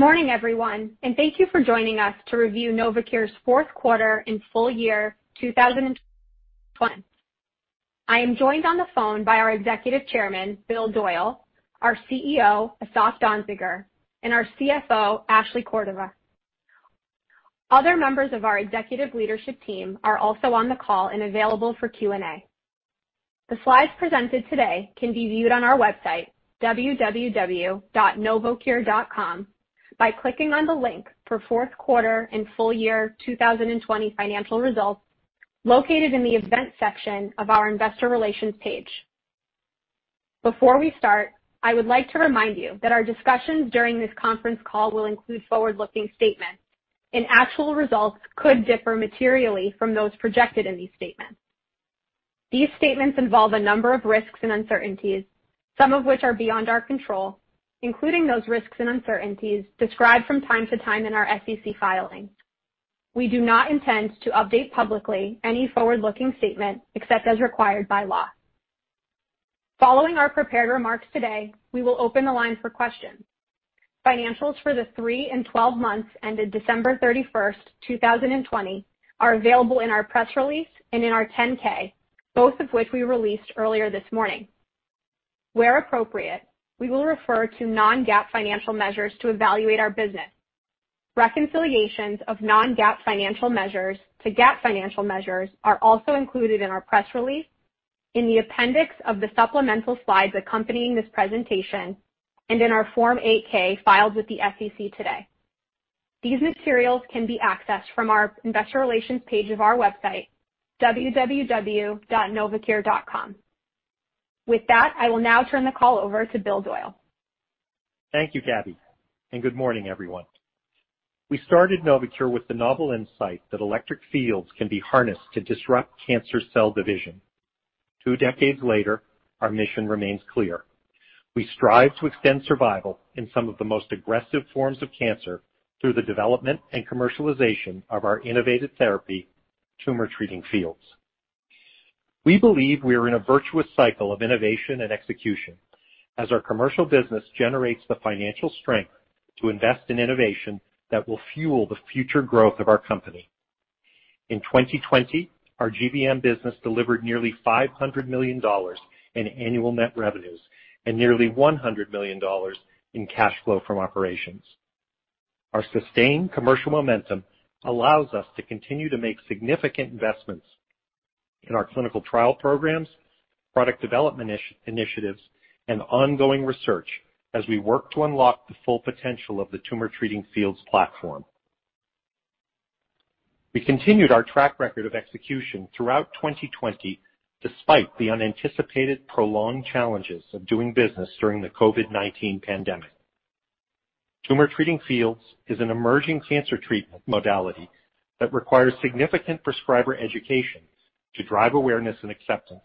Good morning, everyone, and thank you for joining us to review Novocure's Fourth Quarter and Full Year. I am joined on the phone by our Executive Chairman, Bill Doyle, our CEO, Asaf Danziger, and our CFO, Ashley Cordova. Other members of our Executive Leadership Team are also on the call and available for Q&A. The slides presented today can be viewed on our website, www.novocure.com, by clicking on the link for fourth quarter and full year, 2020, financial results, located in the Events section of our Investor Relations page. Before we start, I would like to remind you that our discussions during this conference call will include forward-looking statements, and actual results could differ materially from those projected in these statements. These statements involve a number of risks and uncertainties, some of which are beyond our control, including those risks and uncertainties described from time to time in our SEC filing. We do not intend to update publicly any forward-looking statement except as required by law. Following our prepared remarks today, we will open the line for questions. Financials for the three and 12 months ended December 31st, 2020, are available in our press release and in our 10-K, both of which we released earlier this morning. Where appropriate, we will refer to non-GAAP financial measures to evaluate our business. Reconciliations of non-GAAP financial measures to GAAP financial measures are also included in our press release, in the appendix of the supplemental slides accompanying this presentation, and in our Form 8-K filed with the SEC today. These materials can be accessed from our Investor Relations page of our website, www.novocure.com. With that, I will now turn the call over to Bill Doyle. Thank you, Gabby, and good morning, everyone. We started Novocure with the novel insight that electric fields can be harnessed to disrupt cancer cell division. Two decades later, our mission remains clear: we strive to extend survival in some of the most aggressive forms of cancer through the development and commercialization of our innovative therapy Tumor Treating Fields. We believe we are in a virtuous cycle of innovation and execution, as our commercial business generates the financial strength to invest in innovation that will fuel the future growth of our company. In 2020, our GBM business delivered nearly $500 million in annual net revenues and nearly $100 million in cash flow from operations. Our sustained commercial momentum allows us to continue to make significant investments in our clinical trial programs, product development initiatives, and ongoing research as we work to unlock the full potential of the Tumor Treating Fields platform. We continued our track record of execution throughout 2020, despite the unanticipated prolonged challenges of doing business during the COVID-19 pandemic. Tumor Treating Fields is an emerging cancer treatment modality that requires significant prescriber education to drive awareness and acceptance.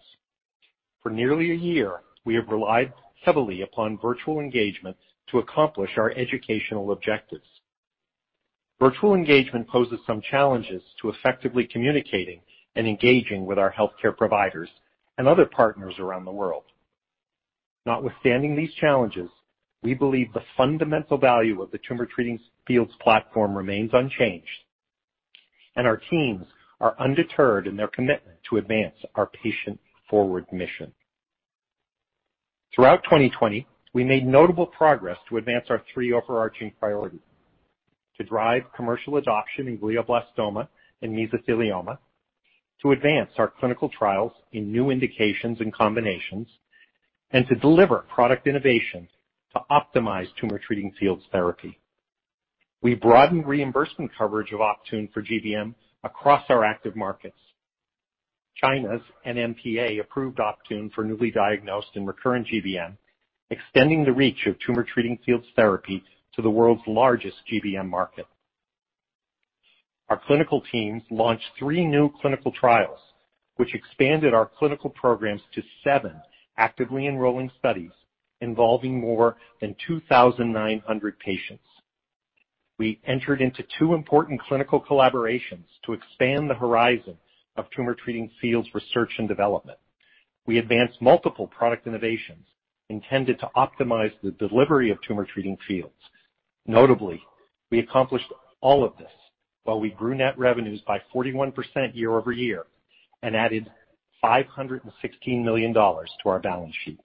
For nearly a year, we have relied heavily upon virtual engagement to accomplish our educational objectives. Virtual engagement poses some challenges to effectively communicating and engaging with our healthcare providers and other partners around the world. Notwithstanding these challenges, we believe the fundamental value of the Tumor Treating Fields platform remains unchanged, and our teams are undeterred in their commitment to advance our patient-forward mission. Throughout 2020, we made notable progress to advance our three overarching priorities: to drive commercial adoption in glioblastoma and mesothelioma, to advance our clinical trials in new indications and combinations, and to deliver product innovations to optimize Tumor Treating Fields therapy. We broadened reimbursement coverage of Optune for GBM across our active markets. China's NMPA approved Optune for newly diagnosed and recurrent GBM, extending the reach of Tumor Treating Fields therapy to the world's largest GBM market. Our clinical teams launched three new clinical trials, which expanded our clinical programs to seven actively enrolling studies involving more than 2,900 patients. We entered into two important clinical collaborations to expand the horizon of Tumor Treating Fields research and development. We advanced multiple product innovations intended to optimize the delivery of Tumor Treating Fields. Notably, we accomplished all of this while we grew net revenues by 41% year-over-year and added $516 million to our balance sheet.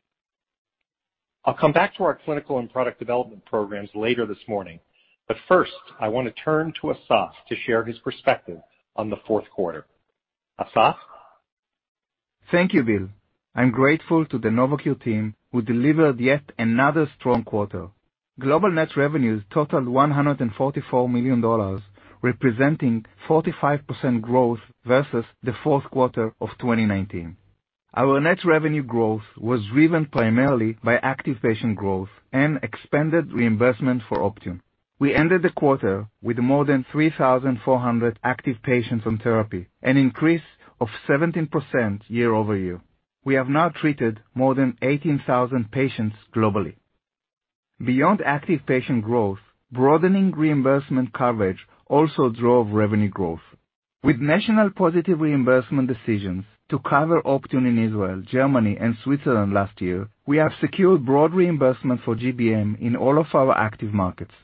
I'll come back to our clinical and product development programs later this morning, but first, I want to turn to Asaf to share his perspective on the fourth quarter. Asaf? Thank you, Bill. I'm grateful to the Novocure team who delivered yet another strong quarter. Global net revenues totaled $144 million, representing 45% growth versus the fourth quarter of 2019. Our net revenue growth was driven primarily by active patient growth and expanded reimbursement for Optune. We ended the quarter with more than 3,400 active patients on therapy, an increase of 17% year-over-year. We have now treated more than 18,000 patients globally. Beyond active patient growth, broadening reimbursement coverage also drove revenue growth. With national positive reimbursement decisions to cover Optune in Israel, Germany, and Switzerland last year, we have secured broad reimbursement for GBM in all of our active markets.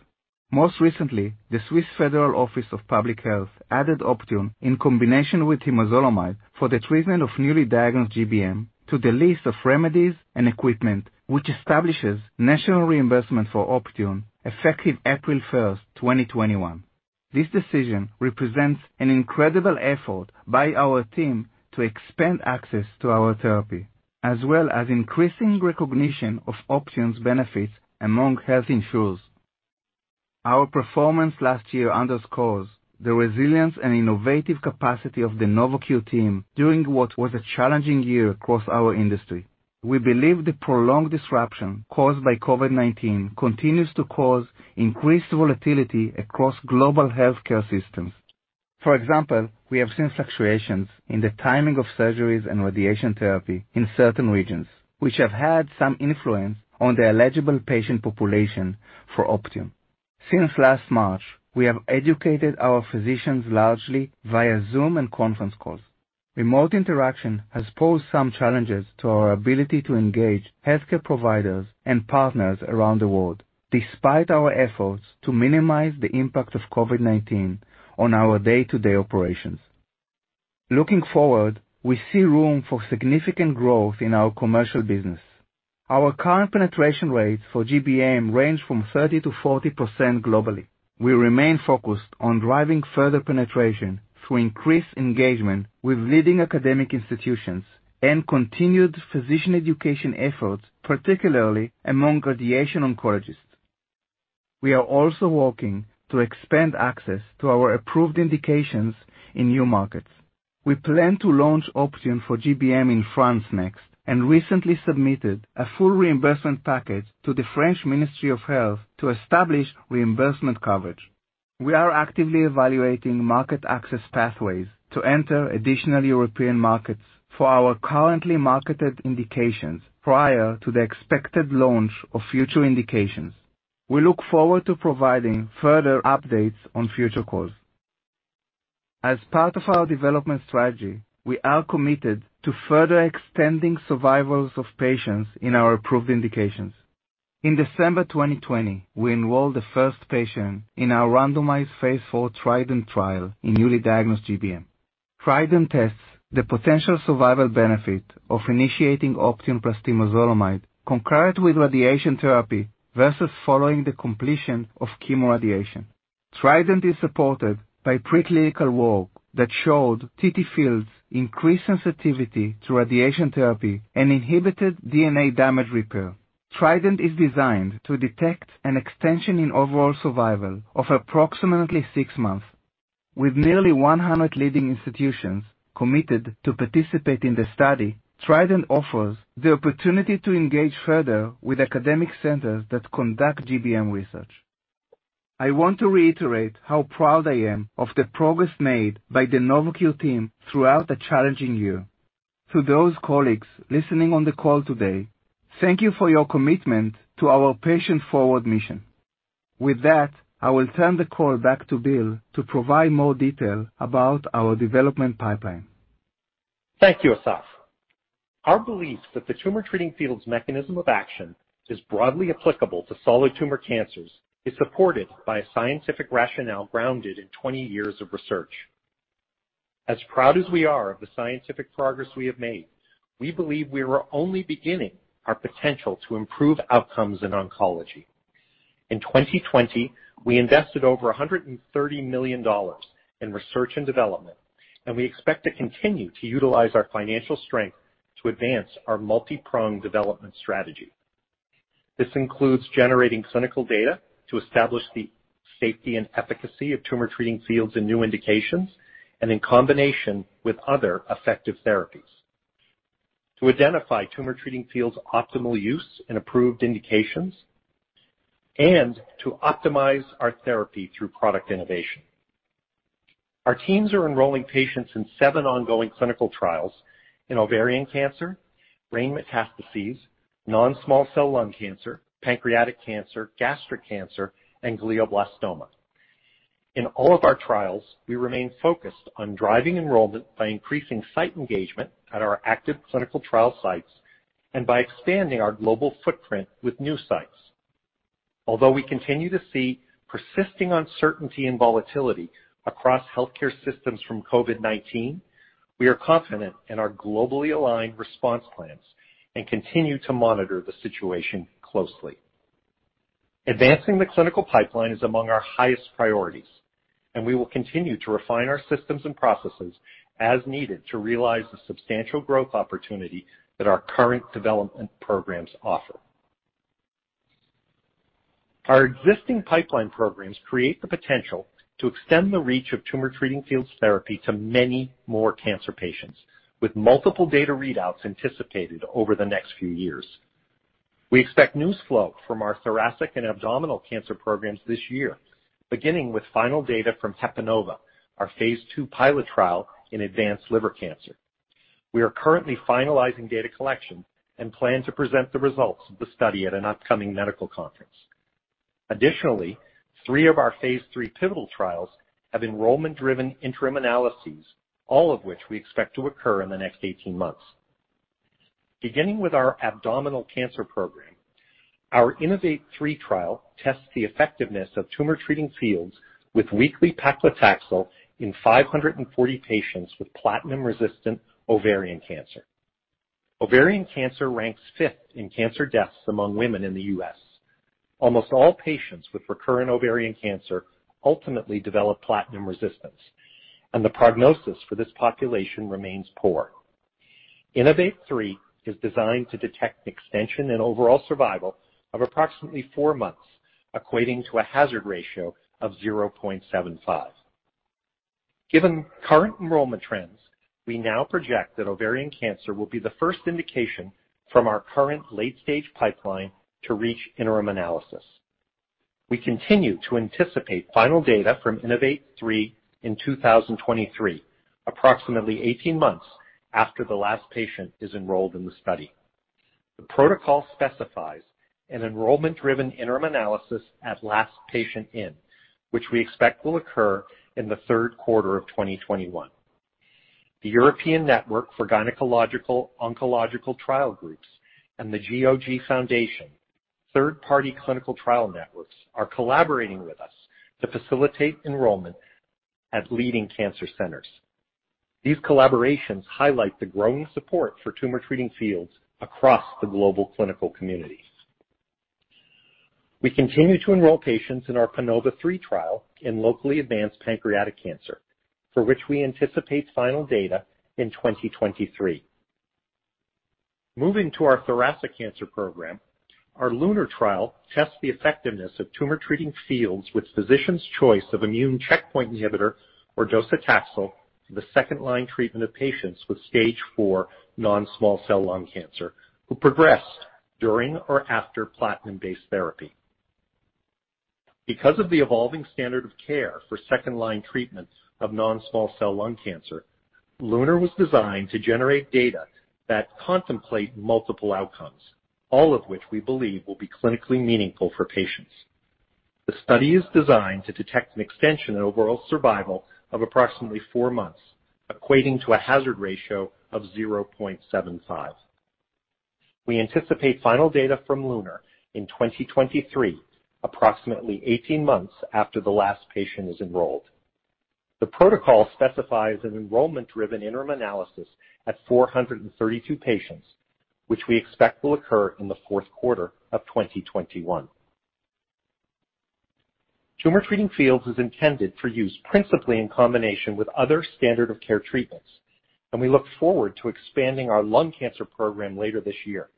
Most recently, the Swiss Federal Office of Public Health added Optune in combination with temozolomide for the treatment of newly diagnosed GBM to the list of remedies and equipment, which establishes national reimbursement for Optune effective April 1st, 2021. This decision represents an incredible effort by our team to expand access to our therapy, as well as increasing recognition of Optune's benefits among health insurers. Our performance last year underscores the resilience and innovative capacity of the Novocure team during what was a challenging year across our industry. We believe the prolonged disruption caused by COVID-19 continues to cause increased volatility across global healthcare systems. For example, we have seen fluctuations in the timing of surgeries and radiation therapy in certain regions, which have had some influence on the eligible patient population for Optune. Since last March, we have educated our physicians largely via Zoom and conference calls. Remote interaction has posed some challenges to our ability to engage healthcare providers and partners around the world, despite our efforts to minimize the impact of COVID-19 on our day-to-day operations. Looking forward, we see room for significant growth in our commercial business. Our current penetration rates for GBM range from 30%-40% globally. We remain focused on driving further penetration through increased engagement with leading academic institutions and continued physician education efforts, particularly among radiation oncologists. We are also working to expand access to our approved indications in new markets. We plan to launch Optune for GBM in France next and recently submitted a full reimbursement package to the French Ministry of Health to establish reimbursement coverage. We are actively evaluating market access pathways to enter additional European markets for our currently marketed indications prior to the expected launch of future indications. We look forward to providing further updates on future calls. As part of our development strategy, we are committed to further extending survivals of patients in our approved indications. In December 2020, we enrolled the first patient in our randomized phase IV TRIDENT trial in newly diagnosed GBM. TRIDENT tests the potential survival benefit of initiating Optune plus temozolomide concurrent with radiation therapy versus following the completion of chemoradiation. TRIDENT is supported by preclinical work that showed TTFields' increased sensitivity to radiation therapy and inhibited DNA damage repair. TRIDENT is designed to detect an extension in overall survival of approximately six months. With nearly 100 leading institutions committed to participate in the study, TRIDENT offers the opportunity to engage further with academic centers that conduct GBM research. I want to reiterate how proud I am of the progress made by the Novocure team throughout the challenging year. To those colleagues listening on the call today, thank you for your commitment to our patient-forward mission. With that, I will turn the call back to Bill to provide more detail about our development pipeline. Thank you, Asaf. Our belief that the Tumor Treating Fields mechanism of action is broadly applicable to solid tumor cancers is supported by a scientific rationale grounded in 20 years of research. As proud as we are of the scientific progress we have made, we believe we are only beginning our potential to improve outcomes in oncology. In 2020, we invested over $130 million in research and development, and we expect to continue to utilize our financial strength to advance our multi-pronged development strategy. This includes generating clinical data to establish the safety and efficacy of Tumor Treating Fields in new indications and in combination with other effective therapies, to identify Tumor Treating Fields' optimal use in approved indications and to optimize our therapy through product innovation. Our teams are enrolling patients in seven ongoing clinical trials in ovarian cancer, brain metastases, non-small cell lung cancer, pancreatic cancer, gastric cancer, and glioblastoma. In all of our trials, we remain focused on driving enrollment by increasing site engagement at our active clinical trial sites and by expanding our global footprint with new sites. Although we continue to see persisting uncertainty and volatility across healthcare systems from COVID-19, we are confident in our globally aligned response plans and continue to monitor the situation closely. Advancing the clinical pipeline is among our highest priorities, and we will continue to refine our systems and processes as needed to realize the substantial growth opportunity that our current development programs offer. Our existing pipeline programs create the potential to extend the reach of Tumor Treating Fields therapy to many more cancer patients, with multiple data readouts anticipated over the next few years. We expect news flow from our thoracic and abdominal cancer programs this year, beginning with final data from HEPANOVA, our phase II pilot trial in advanced liver cancer. We are currently finalizing data collection and plan to present the results of the study at an upcoming medical conference. Additionally, three of our phase III pivotal trials have enrollment-driven interim analyses, all of which we expect to occur in the next 18 months. Beginning with our abdominal cancer program, our INNOVATE-3 trial tests the effectiveness of Tumor Treating Fields with weekly paclitaxel in 540 patients with platinum-resistant ovarian cancer. Ovarian cancer ranks fifth in cancer deaths among women in the U.S. Almost all patients with recurrent ovarian cancer ultimately develop platinum resistance, and the prognosis for this population remains poor. INNOVATE-3 is designed to detect extension in overall survival of approximately four months, equating to a hazard ratio of 0.75. Given current enrollment trends, we now project that ovarian cancer will be the first indication from our current late-stage pipeline to reach interim analysis. We continue to anticipate final data from INNOVATE-3 in 2023, approximately 18 months after the last patient is enrolled in the study. The protocol specifies an enrollment-driven interim analysis at last patient in, which we expect will occur in the third quarter of 2021. The European Network for Gynaecological Oncological Trial Groups and the GOG Foundation third-party clinical trial networks are collaborating with us to facilitate enrollment at leading cancer centers. These collaborations highlight the growing support for Tumor Treating Fields across the global clinical community. We continue to enroll patients in our PANOVA-3 trial in locally advanced pancreatic cancer, for which we anticipate final data in 2023. Moving to our thoracic cancer program, our LUNAR trial tests the effectiveness of Tumor Treating Fields with physicians' choice of immune checkpoint inhibitor or docetaxel for the second-line treatment of patients with stage IV non-small cell lung cancer who progressed during or after platinum-based therapy. Because of the evolving standard of care for second-line treatment of non-small cell lung cancer, LUNAR was designed to generate data that contemplate multiple outcomes, all of which we believe will be clinically meaningful for patients. The study is designed to detect an extension in overall survival of approximately four months, equating to a hazard ratio of 0.75. We anticipate final data from LUNAR in 2023, approximately 18 months after the last patient is enrolled. The protocol specifies an enrollment-driven interim analysis at 432 patients, which we expect will occur in the fourth quarter of 2021. Tumor Treating Fields is intended for use principally in combination with other standard of care treatments, and we look forward to expanding our lung cancer program later this year.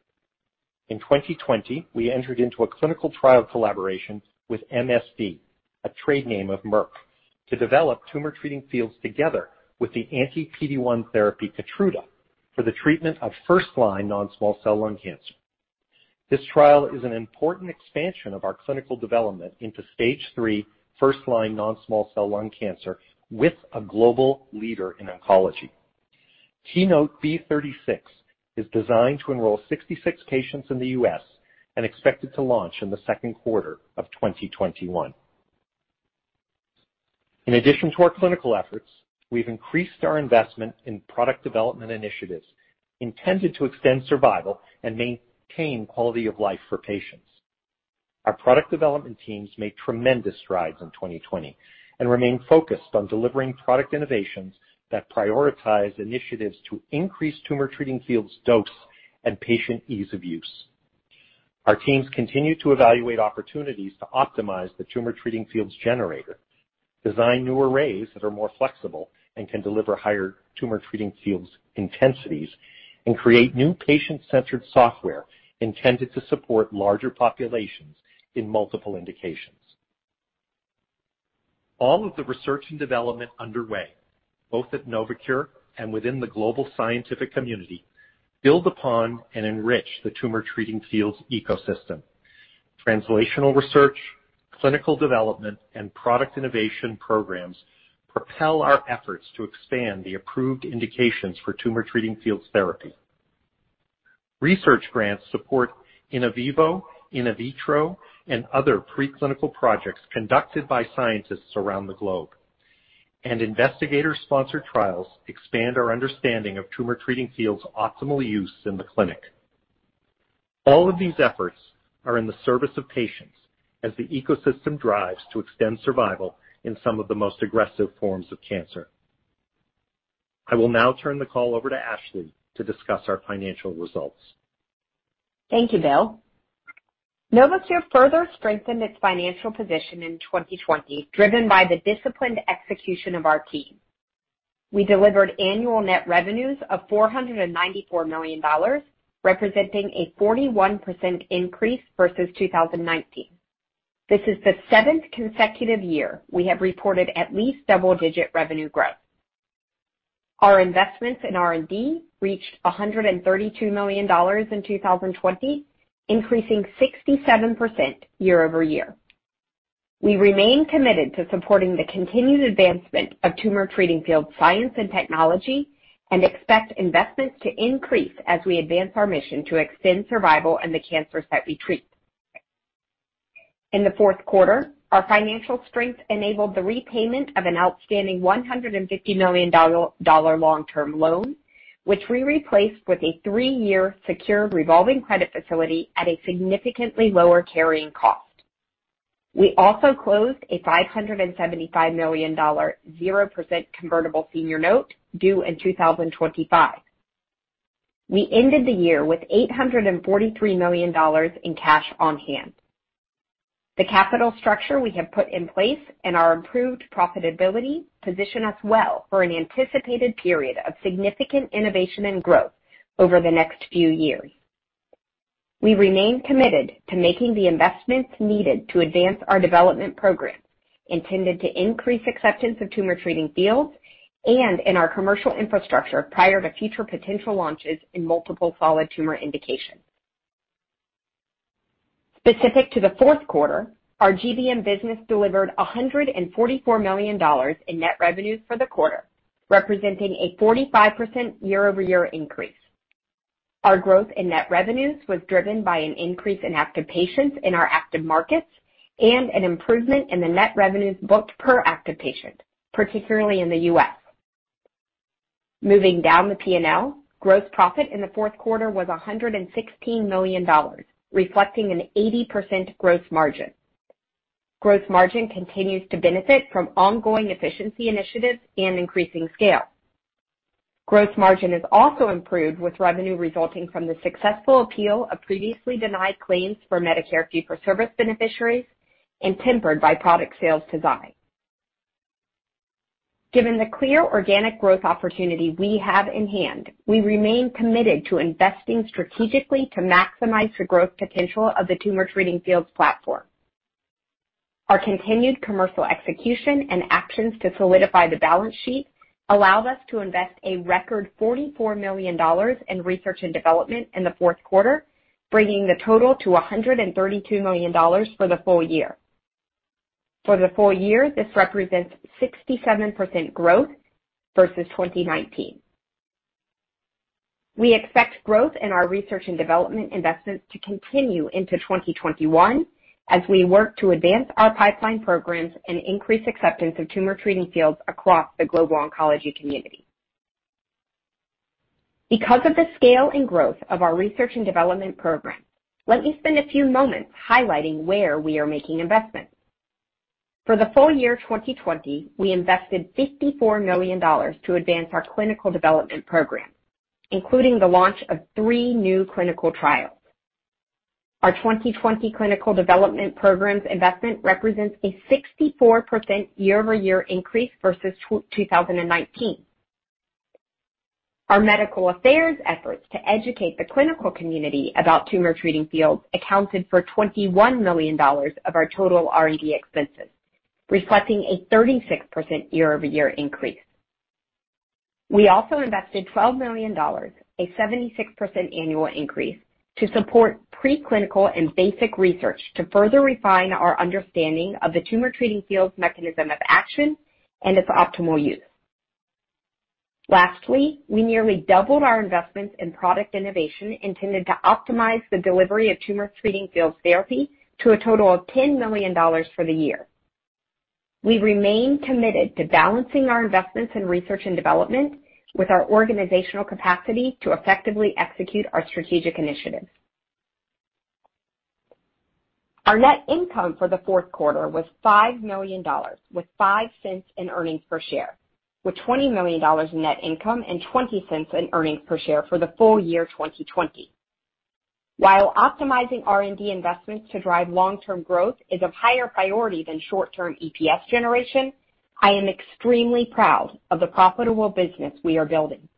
In 2020, we entered into a clinical trial collaboration with MSD, a trade name of Merck, to develop Tumor Treating Fields together with the anti-PD-1 therapy Keytruda for the treatment of first-line non-small cell lung cancer. This trial is an important expansion of our clinical development into stage three first-line non-small cell lung cancer with a global leader in oncology. KEYNOTE-B36 is designed to enroll 66 patients in the U.S. and expected to launch in the second quarter of 2021. In addition to our clinical efforts, we've increased our investment in product development initiatives intended to extend survival and maintain quality of life for patients. Our product development teams made tremendous strides in 2020 and remain focused on delivering product innovations that prioritize initiatives to increase Tumor Treating Fields' dose and patient ease of use. Our teams continue to evaluate opportunities to optimize the Tumor Treating Fields generator, design new arrays that are more flexible and can deliver higher Tumor Treating Fields intensities, and create new patient-centered software intended to support larger populations in multiple indications. All of the research and development underway, both at Novocure and within the global scientific community, build upon and enrich the Tumor Treating Fields ecosystem. Translational research, clinical development, and product innovation programs propel our efforts to expand the approved indications for Tumor Treating Fields therapy. Research grants support Inovivo, Inovitro, and other preclinical projects conducted by scientists around the globe, and investigator-sponsored trials expand our understanding of Tumor Treating Fields' optimal use in the clinic. All of these efforts are in the service of patients as the ecosystem drives to extend survival in some of the most aggressive forms of cancer. I will now turn the call over to Ashley to discuss our financial results. Thank you, Bill. Novocure further strengthened its financial position in 2020, driven by the disciplined execution of our team. We delivered annual net revenues of $494 million, representing a 41% increase versus 2019. This is the seventh consecutive year we have reported at least double-digit revenue growth. Our investments in R&D reached $132 million in 2020, increasing 67% year-over-year. We remain committed to supporting the continued advancement of Tumor Treating Fields' science and technology and expect investments to increase as we advance our mission to extend survival in the cancers that we treat. In the fourth quarter, our financial strength enabled the repayment of an outstanding $150 million long-term loan, which we replaced with a three-year secure revolving credit facility at a significantly lower carrying cost. We also closed a $575 million 0% convertible senior note due in 2025. We ended the year with $843 million in cash on hand. The capital structure we have put in place and our improved profitability position us well for an anticipated period of significant innovation and growth over the next few years. We remain committed to making the investments needed to advance our development program intended to increase acceptance of Tumor Treating Fields and in our commercial infrastructure prior to future potential launches in multiple solid tumor indications. Specific to the fourth quarter, our GBM business delivered $144 million in net revenues for the quarter, representing a 45% year-over-year increase. Our growth in net revenues was driven by an increase in active patients in our active markets and an improvement in the net revenues booked per active patient, particularly in the U.S. Moving down the P&L, gross profit in the fourth quarter was $116 million, reflecting an 80% gross margin. Gross margin continues to benefit from ongoing efficiency initiatives and increasing scale. Gross margin is also improved with revenue resulting from the successful appeal of previously denied claims for Medicare fee-for-service beneficiaries and tempered by product sales to Zai. Given the clear organic growth opportunity we have in hand, we remain committed to investing strategically to maximize the growth potential of the Tumor Treating Fields platform. Our continued commercial execution and actions to solidify the balance sheet allowed us to invest a record $44 million in research and development in the fourth quarter, bringing the total to $132 million for the full year. For the full year, this represents 67% growth versus 2019. We expect growth in our research and development investments to continue into 2021 as we work to advance our pipeline programs and increase acceptance of Tumor Treating Fields across the global oncology community. Because of the scale and growth of our research and development program, let me spend a few moments highlighting where we are making investments. For the full year 2020, we invested $54 million to advance our clinical development program, including the launch of three new clinical trials. Our 2020 clinical development programs investment represents a 64% year-over-year increase versus 2019. Our medical affairs efforts to educate the clinical community about Tumor Treating Fields accounted for $21 million of our total R&D expenses, reflecting a 36% year-over-year increase. We also invested $12 million, a 76% annual increase, to support preclinical and basic research to further refine our understanding of the Tumor Treating Fields' mechanism of action and its optimal use. Lastly, we nearly doubled our investments in product innovation intended to optimize the delivery of Tumor Treating Fields therapy to a total of $10 million for the year. We remain committed to balancing our investments in research and development with our organizational capacity to effectively execute our strategic initiatives. Our net income for the fourth quarter was $5 million, with $0.05 in earnings per share, with $20 million in net income and $0.20 in earnings per share for the full year 2020. While optimizing R&D investments to drive long-term growth is of higher priority than short-term EPS generation, I am extremely proud of the profitable business we are building.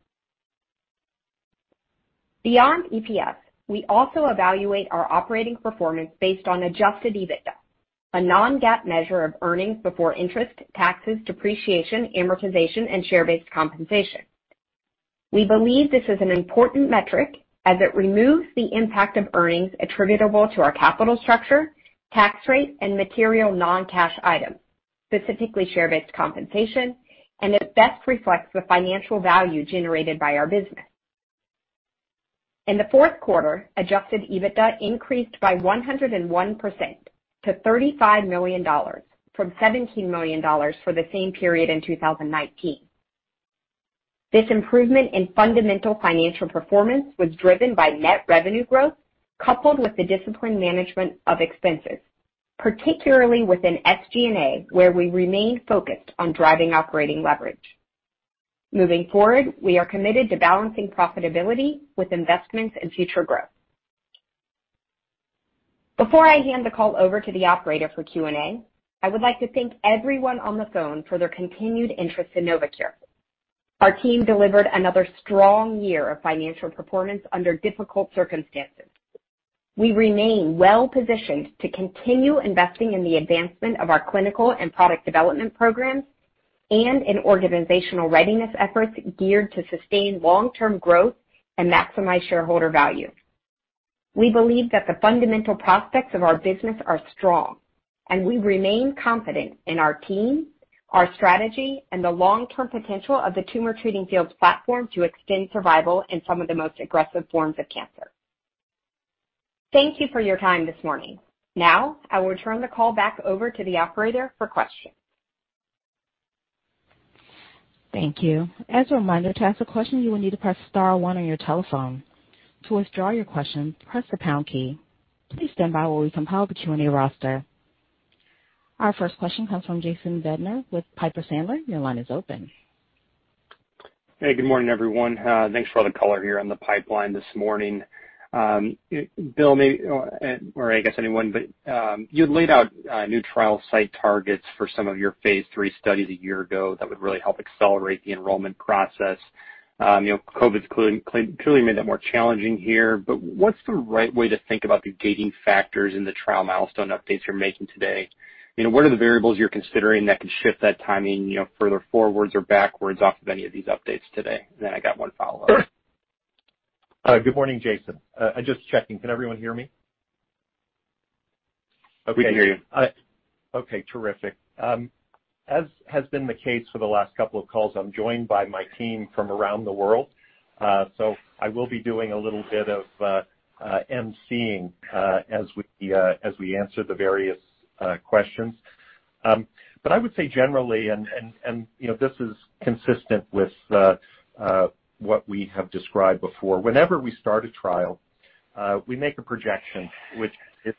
Beyond EPS, we also evaluate our operating performance based on adjusted EBITDA, a non-GAAP measure of earnings before interest, taxes, depreciation, amortization, and share-based compensation. We believe this is an important metric as it removes the impact of earnings attributable to our capital structure, tax rate, and material non-cash items, specifically share-based compensation, and it best reflects the financial value generated by our business. In the fourth quarter, adjusted EBITDA increased by 101% to $35 million from $17 million for the same period in 2019. This improvement in fundamental financial performance was driven by net revenue growth coupled with the disciplined management of expenses, particularly within SG&A, where we remain focused on driving operating leverage. Moving forward, we are committed to balancing profitability with investments and future growth. Before I hand the call over to the operator for Q&A, I would like to thank everyone on the phone for their continued interest in Novocure. Our team delivered another strong year of financial performance under difficult circumstances. We remain well-positioned to continue investing in the advancement of our clinical and product development programs and in organizational readiness efforts geared to sustain long-term growth and maximize shareholder value. We believe that the fundamental prospects of our business are strong, and we remain confident in our team, our strategy, and the long-term potential of the Tumor Treating Fields platform to extend survival in some of the most aggressive forms of cancer. Thank you for your time this morning. Now, I will turn the call back over to the operator for questions. Thank you. As a reminder, to ask a question, you will need to press star one on your telephone. To withdraw your question, press the pound key. Please stand by while we compile the Q&A roster. Our first question comes from Jason Bednar with Piper Sandler. Your line is open. Hey, good morning, everyone. Thanks for all the color here on the pipeline this morning. Bill, maybe or I guess anyone, but you had laid out new trial site targets for some of your phase III studies a year ago that would really help accelerate the enrollment process. COVID's clearly made that more challenging here. But what's the right way to think about the gating factors in the trial milestone updates you're making today? What are the variables you're considering that could shift that timing further forwards or backwards off of any of these updates today? And then I got one follow-up. Good morning, Jason. Just checking. Can everyone hear me? We can hear you. Okay. Terrific. As has been the case for the last couple of calls, I'm joined by my team from around the world. So I will be doing a little bit of emceeing as we answer the various questions. But I would say generally, and this is consistent with what we have described before, whenever we start a trial, we make a projection, which is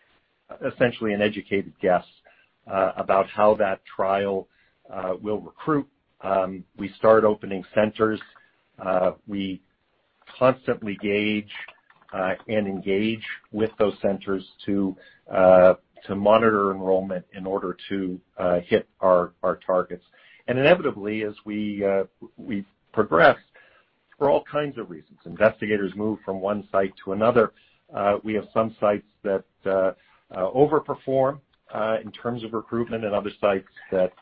essentially an educated guess about how that trial will recruit. We start opening centers. We constantly gauge and engage with those centers to monitor enrollment in order to hit our targets. And inevitably, as we progress, for all kinds of reasons, investigators move from one site to another. We have some sites that overperform in terms of recruitment and other sites that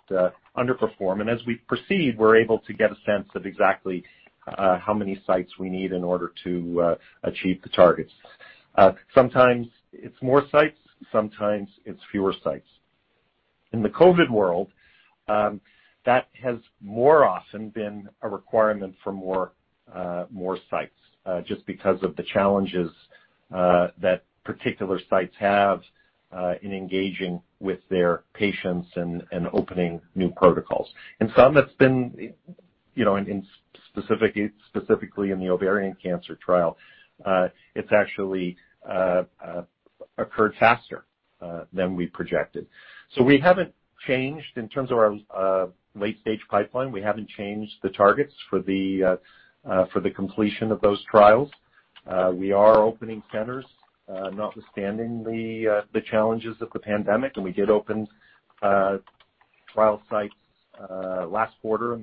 underperform. And as we proceed, we're able to get a sense of exactly how many sites we need in order to achieve the targets. Sometimes it's more sites. Sometimes it's fewer sites. In the COVID world, that has more often been a requirement for more sites just because of the challenges that particular sites have in engaging with their patients and opening new protocols. In some, it's been specifically in the ovarian cancer trial. It's actually occurred faster than we projected. So we haven't changed in terms of our late-stage pipeline. We haven't changed the targets for the completion of those trials. We are opening centers, notwithstanding the challenges of the pandemic, and we did open trial sites last quarter and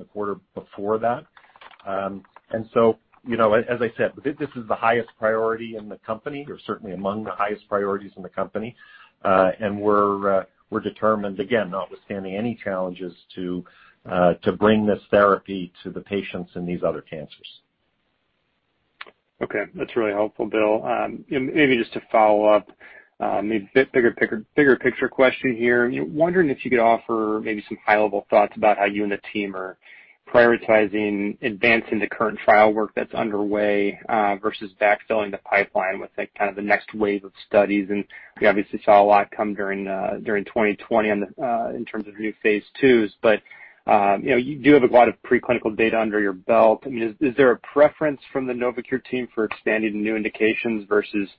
the quarter before that, and so, as I said, this is the highest priority in the company, or certainly among the highest priorities in the company, and we're determined, again, notwithstanding any challenges, to bring this therapy to the patients in these other cancers. Okay. That's really helpful, Bill. Maybe just to follow up, maybe bigger picture question here. Wondering if you could offer maybe some high-level thoughts about how you and the team are prioritizing advancing the current trial work that's underway versus backfilling the pipeline with kind of the next wave of studies, and we obviously saw a lot come during 2020 in terms of new phase IIs, but you do have a lot of preclinical data under your belt. I mean, is there a preference from the Novocure team for expanding new indications versus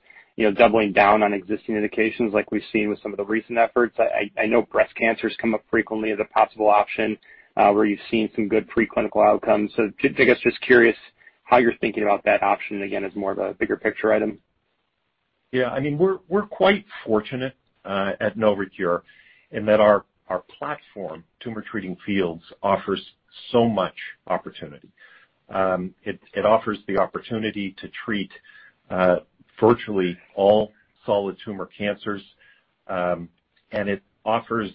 doubling down on existing indications like we've seen with some of the recent efforts? I know breast cancer has come up frequently as a possible option where you've seen some good preclinical outcomes. So I guess just curious how you're thinking about that option, again, as more of a bigger picture item. Yeah. I mean, we're quite fortunate at Novocure in that our platform, Tumor Treating Fields, offers so much opportunity. It offers the opportunity to treat virtually all solid tumor cancers. And it offers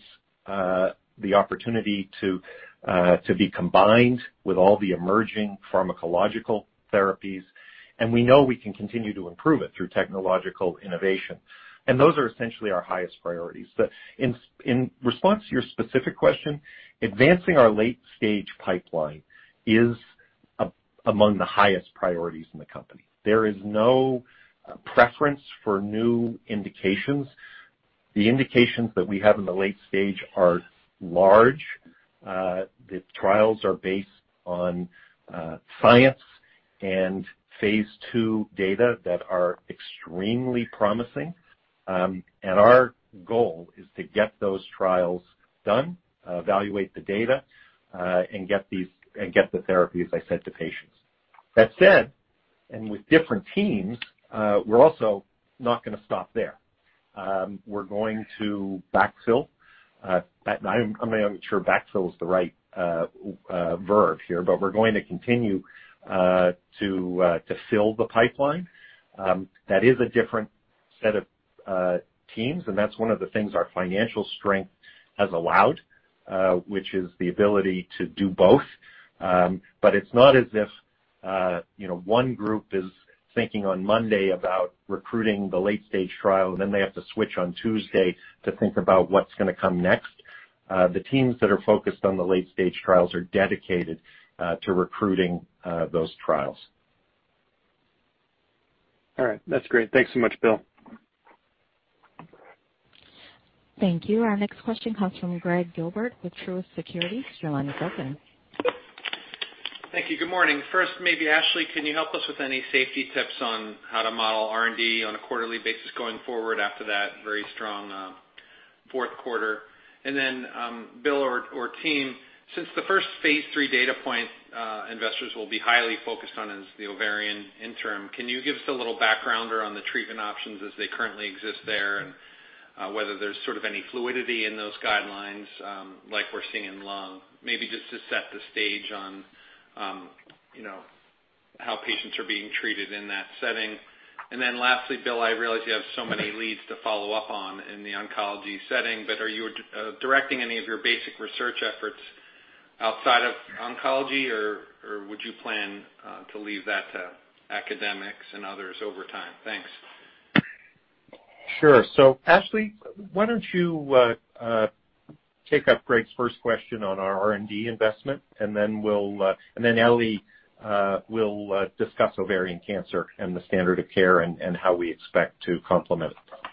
the opportunity to be combined with all the emerging pharmacological therapies. And we know we can continue to improve it through technological innovation, and those are essentially our highest priorities. In response to your specific question, advancing our late-stage pipeline is among the highest priorities in the company. There is no preference for new indications. The indications that we have in the late stage are large. The trials are based on science and phase II data that are extremely promising, and our goal is to get those trials done, evaluate the data, and get the therapy, as I said, to patients. That said, and with different teams, we're also not going to stop there. We're going to backfill. I'm not even sure backfill is the right verb here, but we're going to continue to fill the pipeline. That is a different set of teams. And that's one of the things our financial strength has allowed, which is the ability to do both. But it's not as if one group is thinking on Monday about recruiting the late-stage trial, and then they have to switch on Tuesday to think about what's going to come next. The teams that are focused on the late-stage trials are dedicated to recruiting those trials. All right. That's great. Thanks so much, Bill. Thank you. Our next question comes from Gregg Gilbert with Truist Securities. Your line is open. Thank you. Good morning. First, maybe Ashley, can you help us with any safety tips on how to model R&D on a quarterly basis going forward after that very strong fourth quarter? And then, Bill or team, since the first phase III data point investors will be highly focused on is the ovarian interim, can you give us a little background around the treatment options as they currently exist there and whether there's sort of any fluidity in those guidelines like we're seeing in lung? Maybe just to set the stage on how patients are being treated in that setting. And then lastly, Bill, I realize you have so many leads to follow up on in the oncology setting, but are you directing any of your basic research efforts outside of oncology, or would you plan to leave that to academics and others over time? Thanks. Sure. So Ashley, why don't you take up Gregg's first question on our R&D investment, and then Ely will discuss ovarian cancer and the standard of care and how we expect to complement it.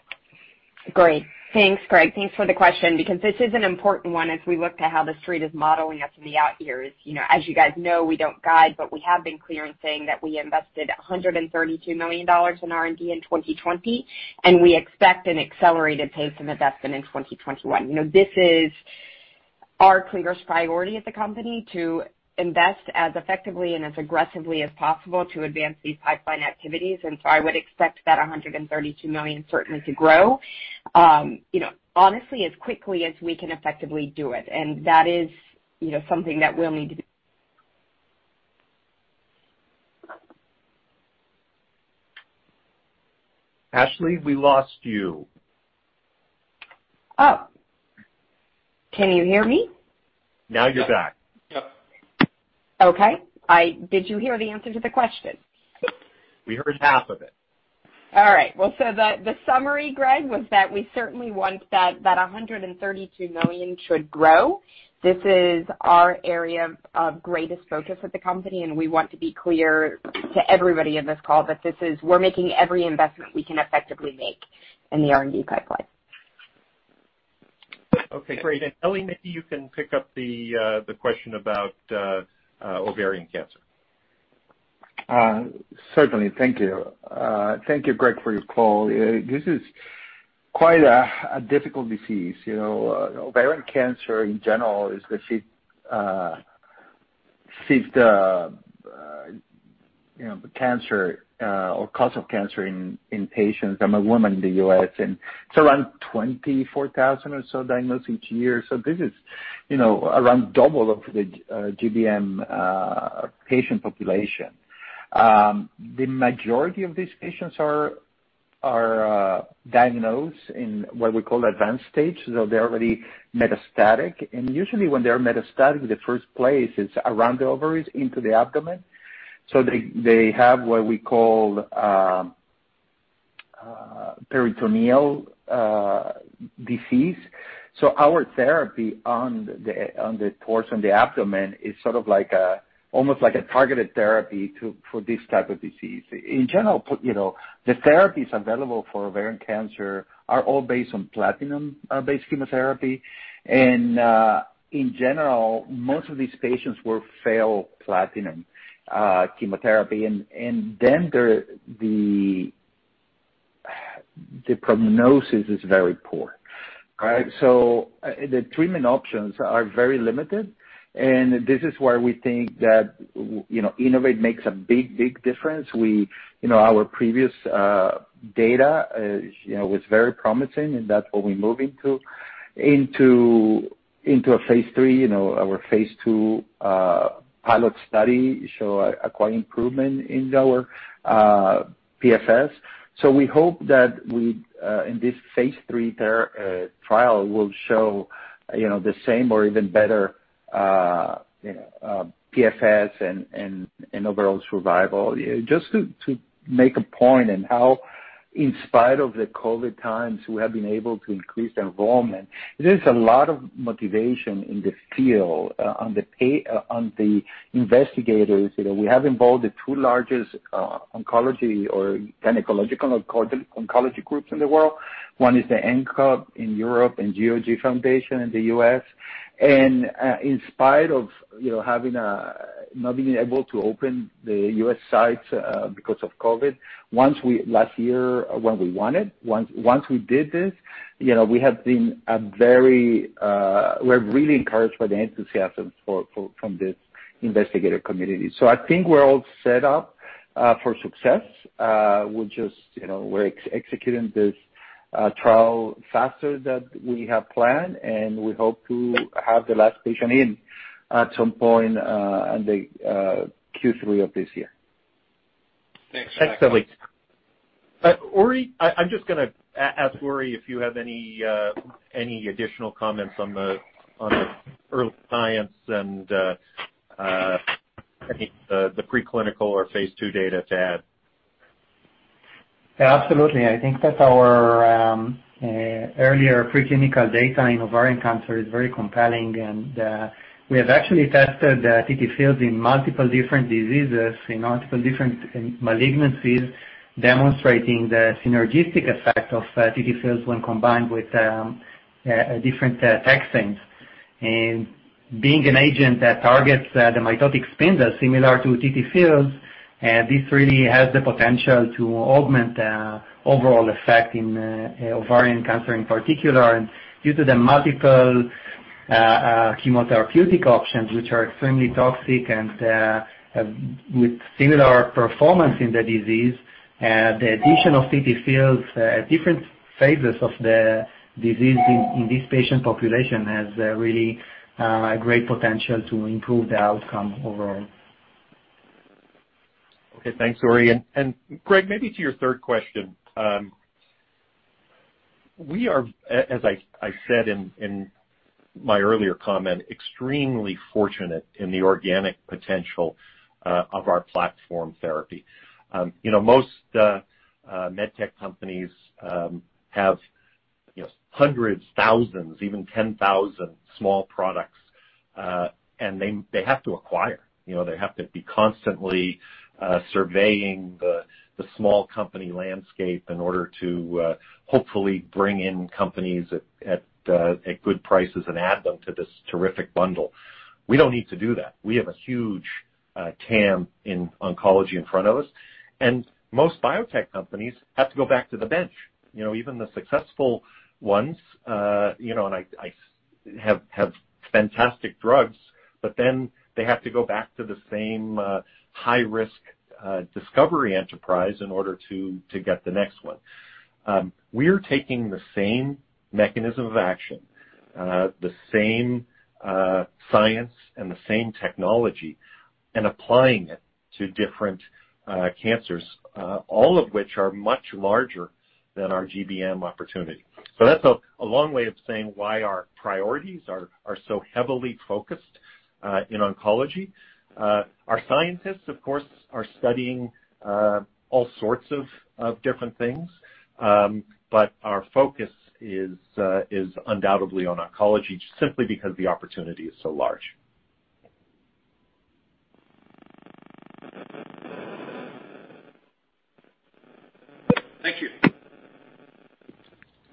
Great. Thanks, Gregg. Thanks for the question because this is an important one as we look to how the street is modeling us in the out years. As you guys know, we don't guide, but we have been clear in saying that we invested $132 million in R&D in 2020, and we expect an accelerated pace of investment in 2021. This is our clearest priority at the company to invest as effectively and as aggressively as possible to advance these pipeline activities. And so I would expect that $132 million certainly to grow, honestly, as quickly as we can effectively do it. And that is something that we'll need to. Ashley, we lost you. Oh. Can you hear me? Now you're back. Yep. Okay. Did you hear the answer to the question? We heard half of it. All right. Well, so the summary, Gregg, was that we certainly want that $132 million to grow. This is our area of greatest focus at the company, and we want to be clear to everybody in this call that we're making every investment we can effectively make in the R&D pipeline. Okay. Great. And Ely, maybe you can pick up the question about ovarian cancer. Certainly. Thank you. Thank you, Gregg, for your call. This is quite a difficult disease. Ovarian cancer, in general, is the fifth cancer or cause of cancer in patients. I'm a woman in the U.S., and it's around 24,000 or so diagnosed each year, so this is around double of the GBM patient population. The majority of these patients are diagnosed in what we call advanced stage, so they're already metastatic. And usually, when they're metastatic, the first place is around the ovaries into the abdomen, so they have what we call peritoneal disease, so our therapy on the torso, on the abdomen, is sort of almost like a targeted therapy for this type of disease. In general, the therapies available for ovarian cancer are all based on platinum-based chemotherapy, and in general, most of these patients will fail platinum chemotherapy, and then the prognosis is very poor. So the treatment options are very limited. And this is where we think that INNOVATE makes a big, big difference. Our previous data was very promising, and that's what we're moving to, into a phase III, our phase II pilot study. We show a quite improvement in our PFS. So we hope that in this phase III trial, we'll show the same or even better PFS and overall survival. Just to make a point in how, in spite of the COVID times, we have been able to increase enrollment, there's a lot of motivation in the field on the investigators. We have involved the two largest oncology or gynecological oncology groups in the world. One is the ENGOT in Europe and GOG Foundation in the U.S. In spite of not being able to open the U.S. sites because of COVID last year, when we wanted, once we did this, we have been very. We're really encouraged by the enthusiasm from this investigator community. I think we're all set up for success. We're just executing this trial faster than we have planned, and we hope to have the last patient in at some point in the Q3 of this year. Thanks. Thanks, Ely. I'm just going to ask Uri if you have any additional comments on the early science and the preclinical or phase two data to add. Absolutely. I think that our earlier preclinical data in ovarian cancer is very compelling, and we have actually tested TTFields in multiple different diseases, in multiple different malignancies, demonstrating the synergistic effect of TTFields when combined with different taxanes, and being an agent that targets the mitotic spindle, similar to TTFields, this really has the potential to augment the overall effect in ovarian cancer in particular, and due to the multiple chemotherapeutic options, which are extremely toxic and with similar performance in the disease, the addition of TTFields at different phases of the disease in this patient population has really a great potential to improve the outcome overall. Okay. Thanks, Uri. And Gregg, maybe to your third question, we are, as I said in my earlier comment, extremely fortunate in the organic potential of our platform therapy. Most med tech companies have hundreds, thousands, even 10,000 small products, and they have to acquire. They have to be constantly surveying the small company landscape in order to hopefully bring in companies at good prices and add them to this terrific bundle. We don't need to do that. We have a huge TAM in oncology in front of us. And most biotech companies have to go back to the bench. Even the successful ones, and I have fantastic drugs, but then they have to go back to the same high-risk discovery enterprise in order to get the next one. We're taking the same mechanism of action, the same science, and the same technology, and applying it to different cancers, all of which are much larger than our GBM opportunity. So that's a long way of saying why our priorities are so heavily focused in oncology. Our scientists, of course, are studying all sorts of different things, but our focus is undoubtedly on oncology simply because the opportunity is so large. Thank you.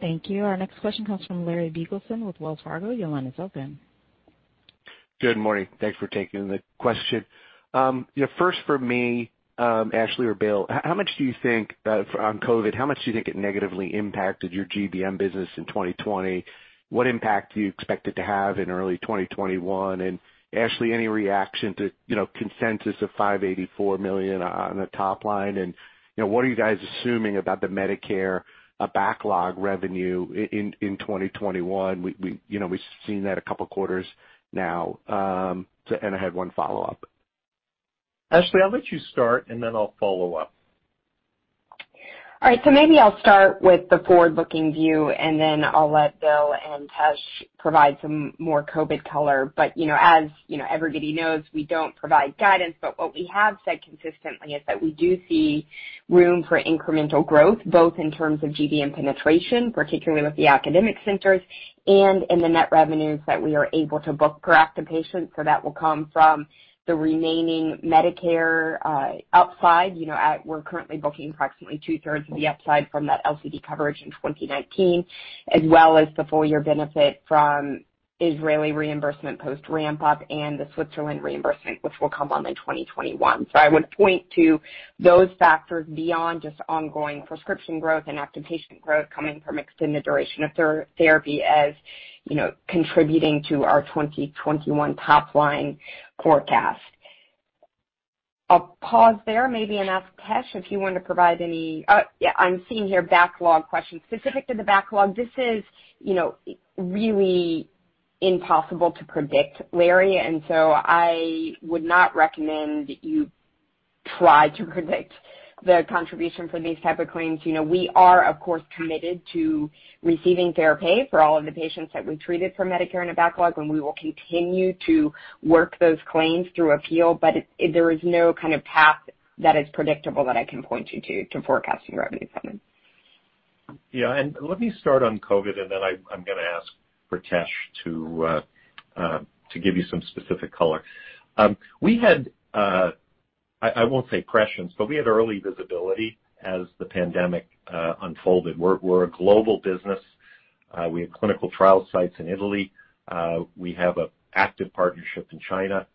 Thank you. Our next question comes from Larry Biegelsen with Wells Fargo. Your line is open. Good morning. Thanks for taking the question. First, for me, Ashley or Bill, how much do you think on COVID, how much do you think it negatively impacted your GBM business in 2020? What impact do you expect it to have in early 2021? And Ashley, any reaction to consensus of $584 million on the top line? And what are you guys assuming about the Medicare backlog revenue in 2021? We've seen that a couple of quarters now. And I had one follow-up. Ashley, I'll let you start, and then I'll follow up. All right. So maybe I'll start with the forward-looking view, and then I'll let Bill and Tesh provide some more COVID color. But as everybody knows, we don't provide guidance. But what we have said consistently is that we do see room for incremental growth, both in terms of GBM penetration, particularly with the academic centers, and in the net revenues that we are able to book per active patient. So that will come from the remaining Medicare upside. We're currently booking approximately 2/3 of the upside from that LCD coverage in 2019, as well as the full-year benefit from Israeli reimbursement post ramp-up and the Switzerland reimbursement, which will come on in 2021. So I would point to those factors beyond just ongoing prescription growth and active patient growth coming from extended duration of therapy as contributing to our 2021 top line forecast. I'll pause there. Maybe I'll ask Tesh if you want to provide any, yeah, I'm seeing here backlog questions. Specific to the backlog, this is really impossible to predict, Larry. And so I would not recommend you try to predict the contribution for these type of claims. We are, of course, committed to receiving fair pay for all of the patients that we treated for Medicare in a backlog, and we will continue to work those claims through appeal. But there is no kind of path that is predictable that I can point you to forecasting revenue from it. Yeah. And let me start on COVID, and then I'm going to ask for Tesh to give you some specific color. I won't say prescience, but we had early visibility as the pandemic unfolded. We're a global business. We have clinical trial sites in Italy. We have an active partnership in China.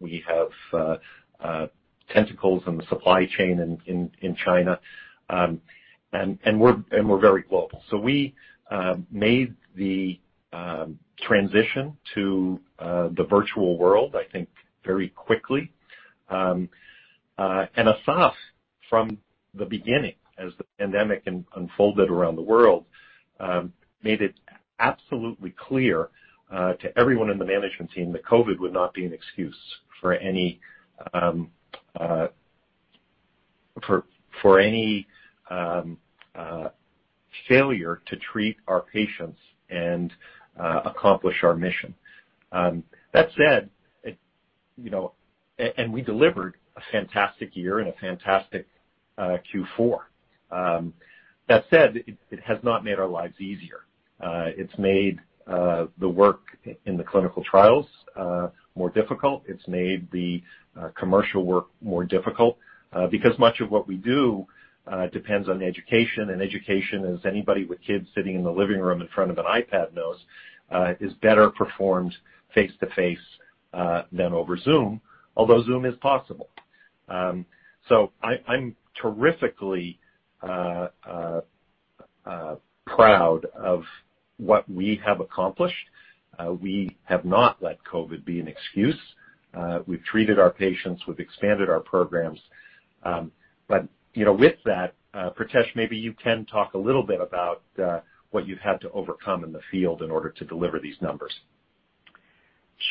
We have tentacles in the supply chain in China. And we're very global. So we made the transition to the virtual world, I think, very quickly. And Asaf, from the beginning, as the pandemic unfolded around the world, made it absolutely clear to everyone in the management team that COVID would not be an excuse for any failure to treat our patients and accomplish our mission. That said, and we delivered a fantastic year and a fantastic Q4. That said, it has not made our lives easier. It's made the work in the clinical trials more difficult. It's made the commercial work more difficult because much of what we do depends on education. And education, as anybody with kids sitting in the living room in front of an iPad knows, is better performed face-to-face than over Zoom, although Zoom is possible. So I'm terrifically proud of what we have accomplished. We have not let COVID be an excuse. We've treated our patients. We've expanded our programs. But with that, Pritesh, maybe you can talk a little bit about what you've had to overcome in the field in order to deliver these numbers.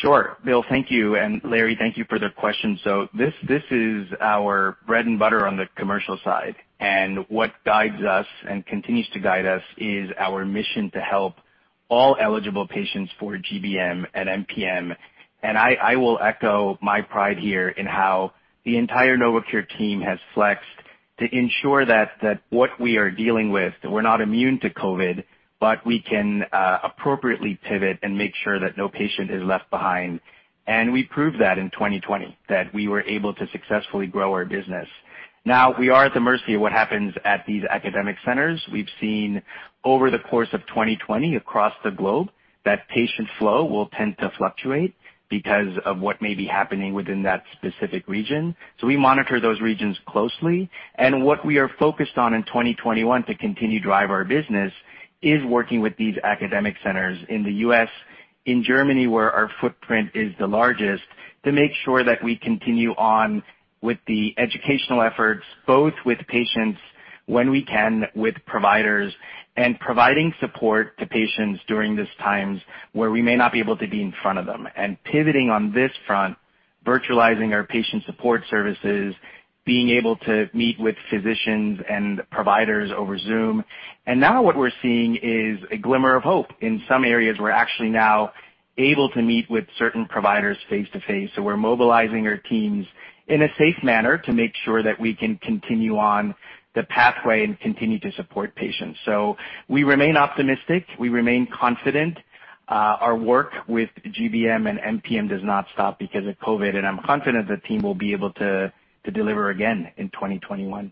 Sure. Bill, thank you. And Larry, thank you for the question. So this is our bread and butter on the commercial side. And what guides us and continues to guide us is our mission to help all eligible patients for GBM and MPM. And I will echo my pride here in how the entire Novocure team has flexed to ensure that what we are dealing with, we're not immune to COVID, but we can appropriately pivot and make sure that no patient is left behind. And we proved that in 2020, that we were able to successfully grow our business. Now, we are at the mercy of what happens at these academic centers. We've seen over the course of 2020 across the globe that patient flow will tend to fluctuate because of what may be happening within that specific region. So we monitor those regions closely. What we are focused on in 2021 to continue to drive our business is working with these academic centers in the U.S., in Germany, where our footprint is the largest, to make sure that we continue on with the educational efforts, both with patients when we can, with providers, and providing support to patients during these times where we may not be able to be in front of them. Pivoting on this front, virtualizing our patient support services, being able to meet with physicians and providers over Zoom. Now what we're seeing is a glimmer of hope in some areas. We're actually now able to meet with certain providers face-to-face. We're mobilizing our teams in a safe manner to make sure that we can continue on the pathway and continue to support patients. We remain optimistic. We remain confident. Our work with GBM and MPM does not stop because of COVID, and I'm confident the team will be able to deliver again in 2021.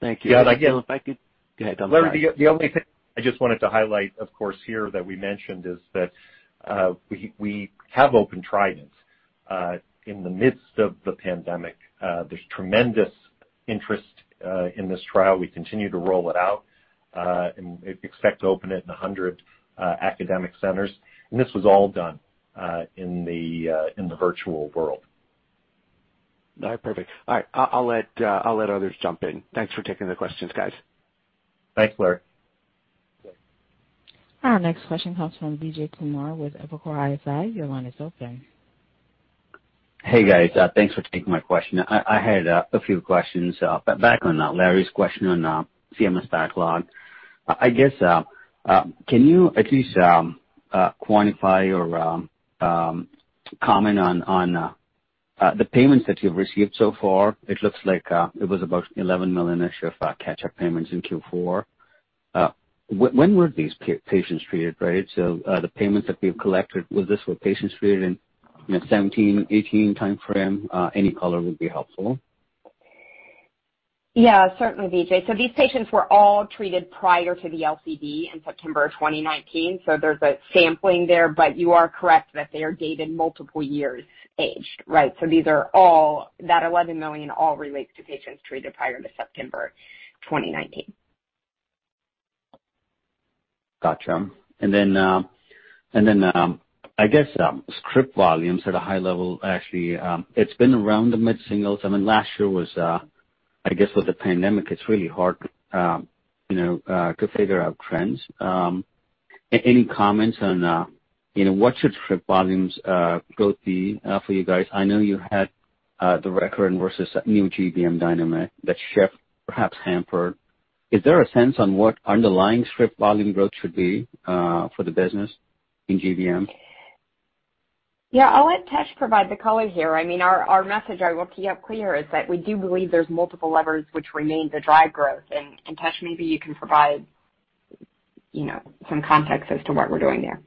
Thank you. Bill, if I could go ahead. Larry, the only thing I just wanted to highlight, of course, here, that we mentioned is that we have opened trials in the midst of the pandemic. There's tremendous interest in this trial. We continue to roll it out and expect to open it in 100 academic centers, and this was all done in the virtual world. All right. Perfect. All right. I'll let others jump in. Thanks for taking the questions, guys. Thanks, Larry. Our next question comes from Vijay Kumar with Evercore ISI. Your line is open. Hey, guys. Thanks for taking my question. I had a few questions. Back on Larry's question on CMS backlog, I guess, can you at least quantify or comment on the payments that you've received so far? It looks like it was about $11 million-ish of catch-up payments in Q4. When were these patients treated, right? So the payments that we've collected, was this what patients treated in the 2017, 2018 timeframe? Any color would be helpful. Yeah, certainly, Vijay. So these patients were all treated prior to the LCD in September of 2019. So there's a sampling there, but you are correct that they are dated multiple years aged, right? So these are all, that 11 million all relates to patients treated prior to September 2019. Gotcha. And then I guess script volumes at a high level, Ashley, it's been around the mid-singles. I mean, last year was, I guess, with the pandemic, it's really hard to figure out trends. Any comments on what script volumes growth should be for you guys? I know you had the recurrent versus new GBM dynamic that's shifted, perhaps hampered. Is there a sense on what underlying script volume growth should be for the business in GBM? Yeah. I'll let Tesh provide the color here. I mean, our message, I will keep clear, is that we do believe there's multiple levers which remain to drive growth. And Tesh, maybe you can provide some context as to what we're doing there.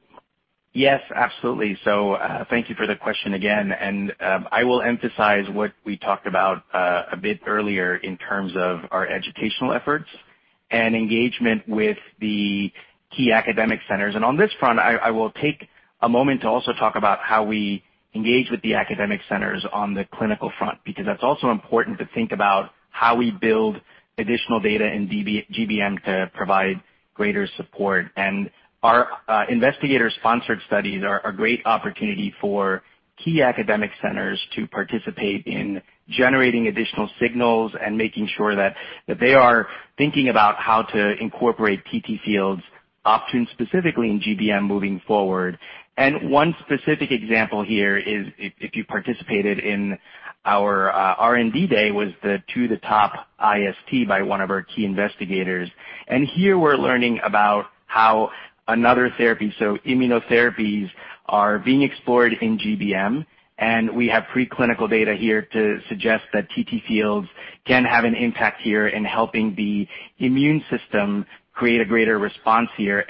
Yes, absolutely. So thank you for the question again. And I will emphasize what we talked about a bit earlier in terms of our educational efforts and engagement with the key academic centers. And on this front, I will take a moment to also talk about how we engage with the academic centers on the clinical front because that's also important to think about how we build additional data in GBM to provide greater support. And our investigator-sponsored studies are a great opportunity for key academic centers to participate in generating additional signals and making sure that they are thinking about how to incorporate TTFields often specifically in GBM moving forward. And one specific example here is if you participated in our R&D day was the 2-THE-TOP IST by one of our key investigators. Here we're learning about how another therapy, so immunotherapies, are being explored in GBM. We have preclinical data here to suggest that TTFields can have an impact here in helping the immune system create a greater response here.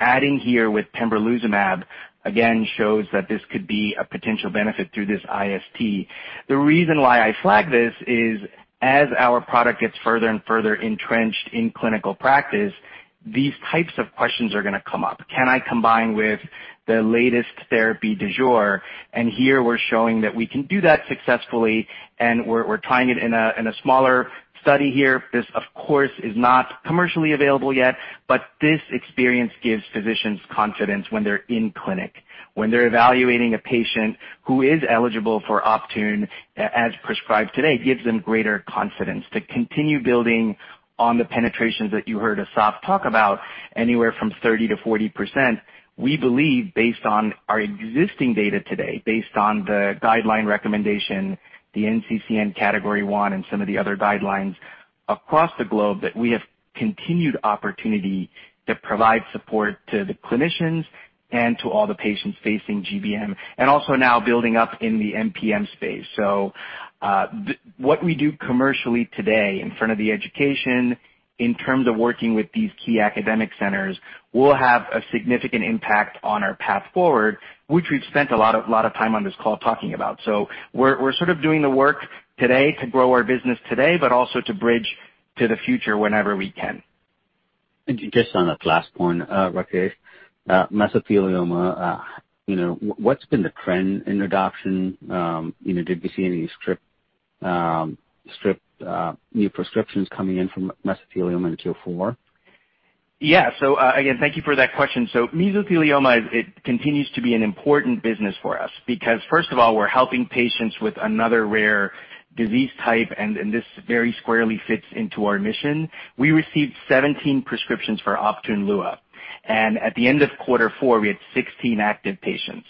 Adding here with pembrolizumab, again, shows that this could be a potential benefit through this IST. The reason why I flag this is as our product gets further and further entrenched in clinical practice, these types of questions are going to come up. Can I combine with the latest therapy du jour? Here we're showing that we can do that successfully. We're trying it in a smaller study here. This, of course, is not commercially available yet, but this experience gives physicians confidence when they're in clinic. When they're evaluating a patient who is eligible for Optune as prescribed today, it gives them greater confidence to continue building on the penetrations that you heard Asaf talk about, anywhere from 30%-40%. We believe, based on our existing data today, based on the guideline recommendation, the NCCN Category 1, and some of the other guidelines across the globe, that we have continued opportunity to provide support to the clinicians and to all the patients facing GBM, and also now building up in the MPM space. So what we do commercially today in front of the education, in terms of working with these key academic centers, will have a significant impact on our path forward, which we've spent a lot of time on this call talking about. So we're sort of doing the work today to grow our business today, but also to bridge to the future whenever we can. Just on that last point, okay, mesothelioma, what's been the trend in adoption? Did we see any script new prescriptions coming in for mesothelioma in Q4? Yeah. So again, thank you for that question. So mesothelioma, it continues to be an important business for us because, first of all, we're helping patients with another rare disease type, and this very squarely fits into our mission. We received 17 prescriptions for Optune Lua. And at the end of quarter four, we had 16 active patients.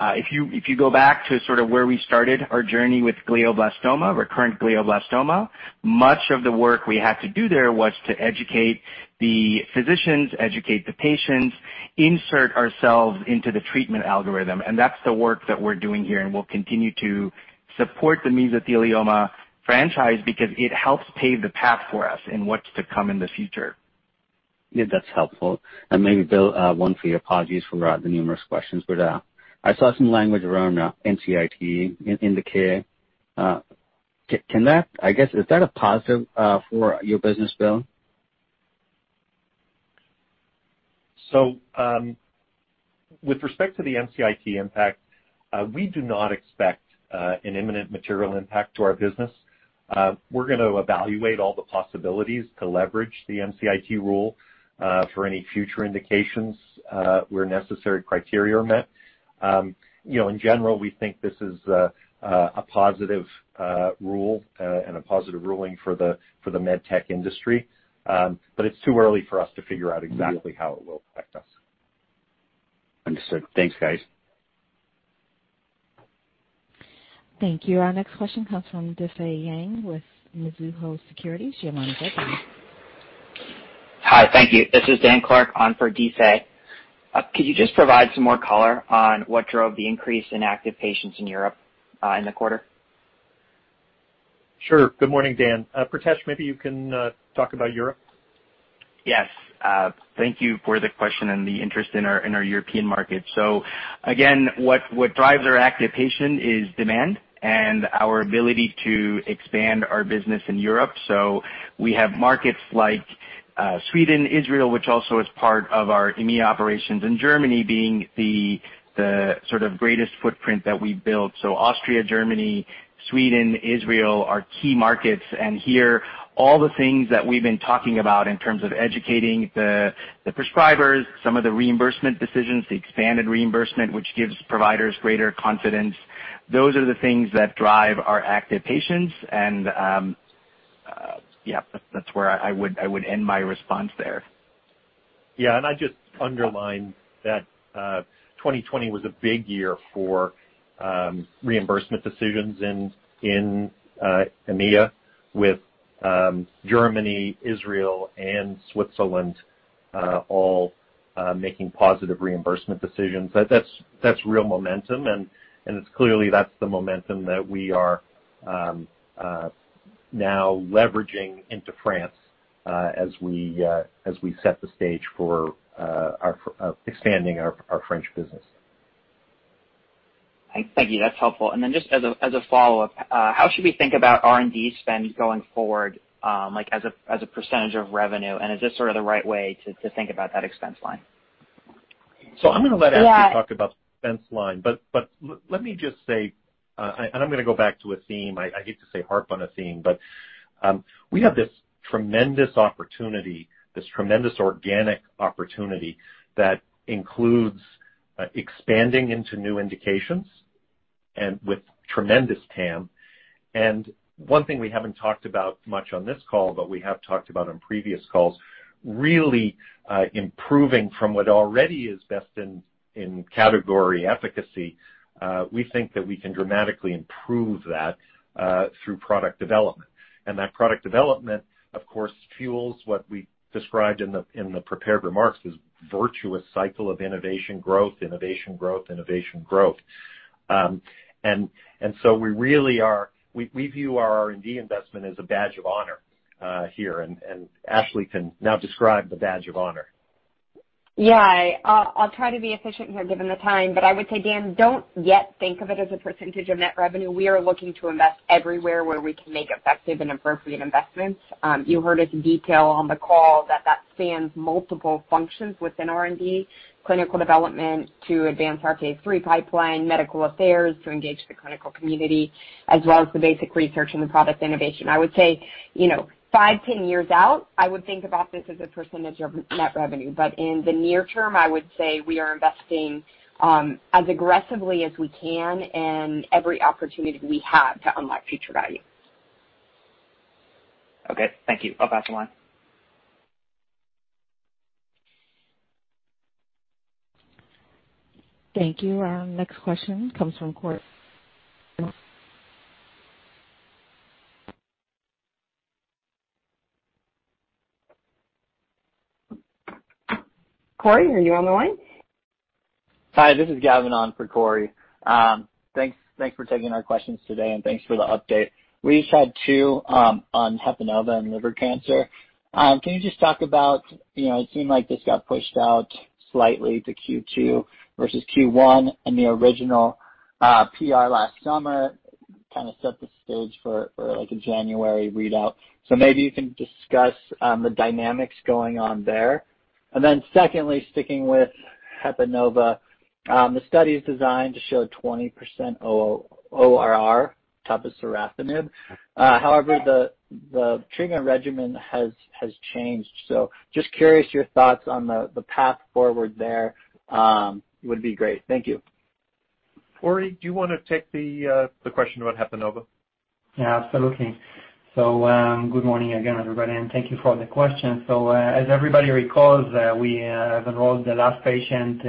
If you go back to sort of where we started our journey with glioblastoma, recurrent glioblastoma, much of the work we had to do there was to educate the physicians, educate the patients, insert ourselves into the treatment algorithm. And that's the work that we're doing here, and we'll continue to support the mesothelioma franchise because it helps pave the path for us in what's to come in the future. Yeah, that's helpful. And maybe, Bill, one more apology for the numerous questions, but I saw some language around MCIT in the K. Can that, I guess, is that a positive for your business, Bill? So with respect to the MCIT impact, we do not expect an imminent material impact to our business. We're going to evaluate all the possibilities to leverage the MCIT rule for any future indications where necessary criteria are met. In general, we think this is a positive rule and a positive ruling for the med tech industry, but it's too early for us to figure out exactly how it will affect us. Understood. Thanks, guys. Thank you. Our next question comes from Difei Yang with Mizuho Securities. Do you want to get them? Hi, thank you. This is Dan Clarke on for Difei. Could you just provide some more color on what drove the increase in active patients in Europe in the quarter? Sure. Good morning, Dan. Pritesh, maybe you can talk about Europe. Yes. Thank you for the question and the interest in our European markets. So again, what drives our active patient is demand and our ability to expand our business in Europe. So we have markets like Sweden, Israel, which also is part of our EMEA operations, and Germany being the sort of greatest footprint that we've built. So Austria, Germany, Sweden, Israel are key markets. And here, all the things that we've been talking about in terms of educating the prescribers, some of the reimbursement decisions, the expanded reimbursement, which gives providers greater confidence, those are the things that drive our active patients. And yeah, that's where I would end my response there. Yeah. And I'd just underline that 2020 was a big year for reimbursement decisions in EMEA, with Germany, Israel, and Switzerland all making positive reimbursement decisions. That's real momentum. And it's clearly that's the momentum that we are now leveraging into France as we set the stage for expanding our French business. Thank you. That's helpful. And then just as a follow-up, how should we think about R&D spend going forward as a percentage of revenue? And is this sort of the right way to think about that expense line? So I'm going to let Ashley talk about the expense line, but let me just say, and I'm going to go back to a theme. I hate to harp on a theme, but we have this tremendous opportunity, this tremendous organic opportunity that includes expanding into new indications and with tremendous TAM. And one thing we haven't talked about much on this call, but we have talked about on previous calls, really improving from what already is best in category efficacy. We think that we can dramatically improve that through product development. And that product development, of course, fuels what we described in the prepared remarks as a virtuous cycle of innovation, growth, innovation, growth, innovation, growth. And so we really are. We view our R&D investment as a badge of honor here. And Ashley can now describe the badge of honor. Yeah. I'll try to be efficient here given the time, but I would say, Dan, don't yet think of it as a percentage of net revenue. We are looking to invest everywhere where we can make effective and appropriate investments. You heard it in detail on the call that that spans multiple functions within R&D: clinical development to advance our phase III pipeline, medical affairs to engage the clinical community, as well as the basic research and the product innovation. I would say, five, 10 years out, I would think about this as a percentage of net revenue. But in the near term, I would say we are investing as aggressively as we can in every opportunity we have to unlock future value. Okay. Thank you. I'll pass the line. Thank you. Our next question comes from Cory. Cory, are you on the line? Hi. This is Gavin on for Cory. Thanks for taking our questions today, and thanks for the update. We just had two on HEPANOVA and liver cancer. Can you just talk about it seemed like this got pushed out slightly to Q2 versus Q1, and the original PR last summer kind of set the stage for a January readout. So maybe you can discuss the dynamics going on there. And then secondly, sticking with HEPANOVA, the study is designed to show 20% ORR, top of sorafenib. However, the treatment regimen has changed. So just curious your thoughts on the path forward there would be great. Thank you. Uri, do you want to take the question about HEPANOVA? Yeah, absolutely, so good morning again, everybody, and thank you for the question. So as everybody recalls, we have enrolled the last patient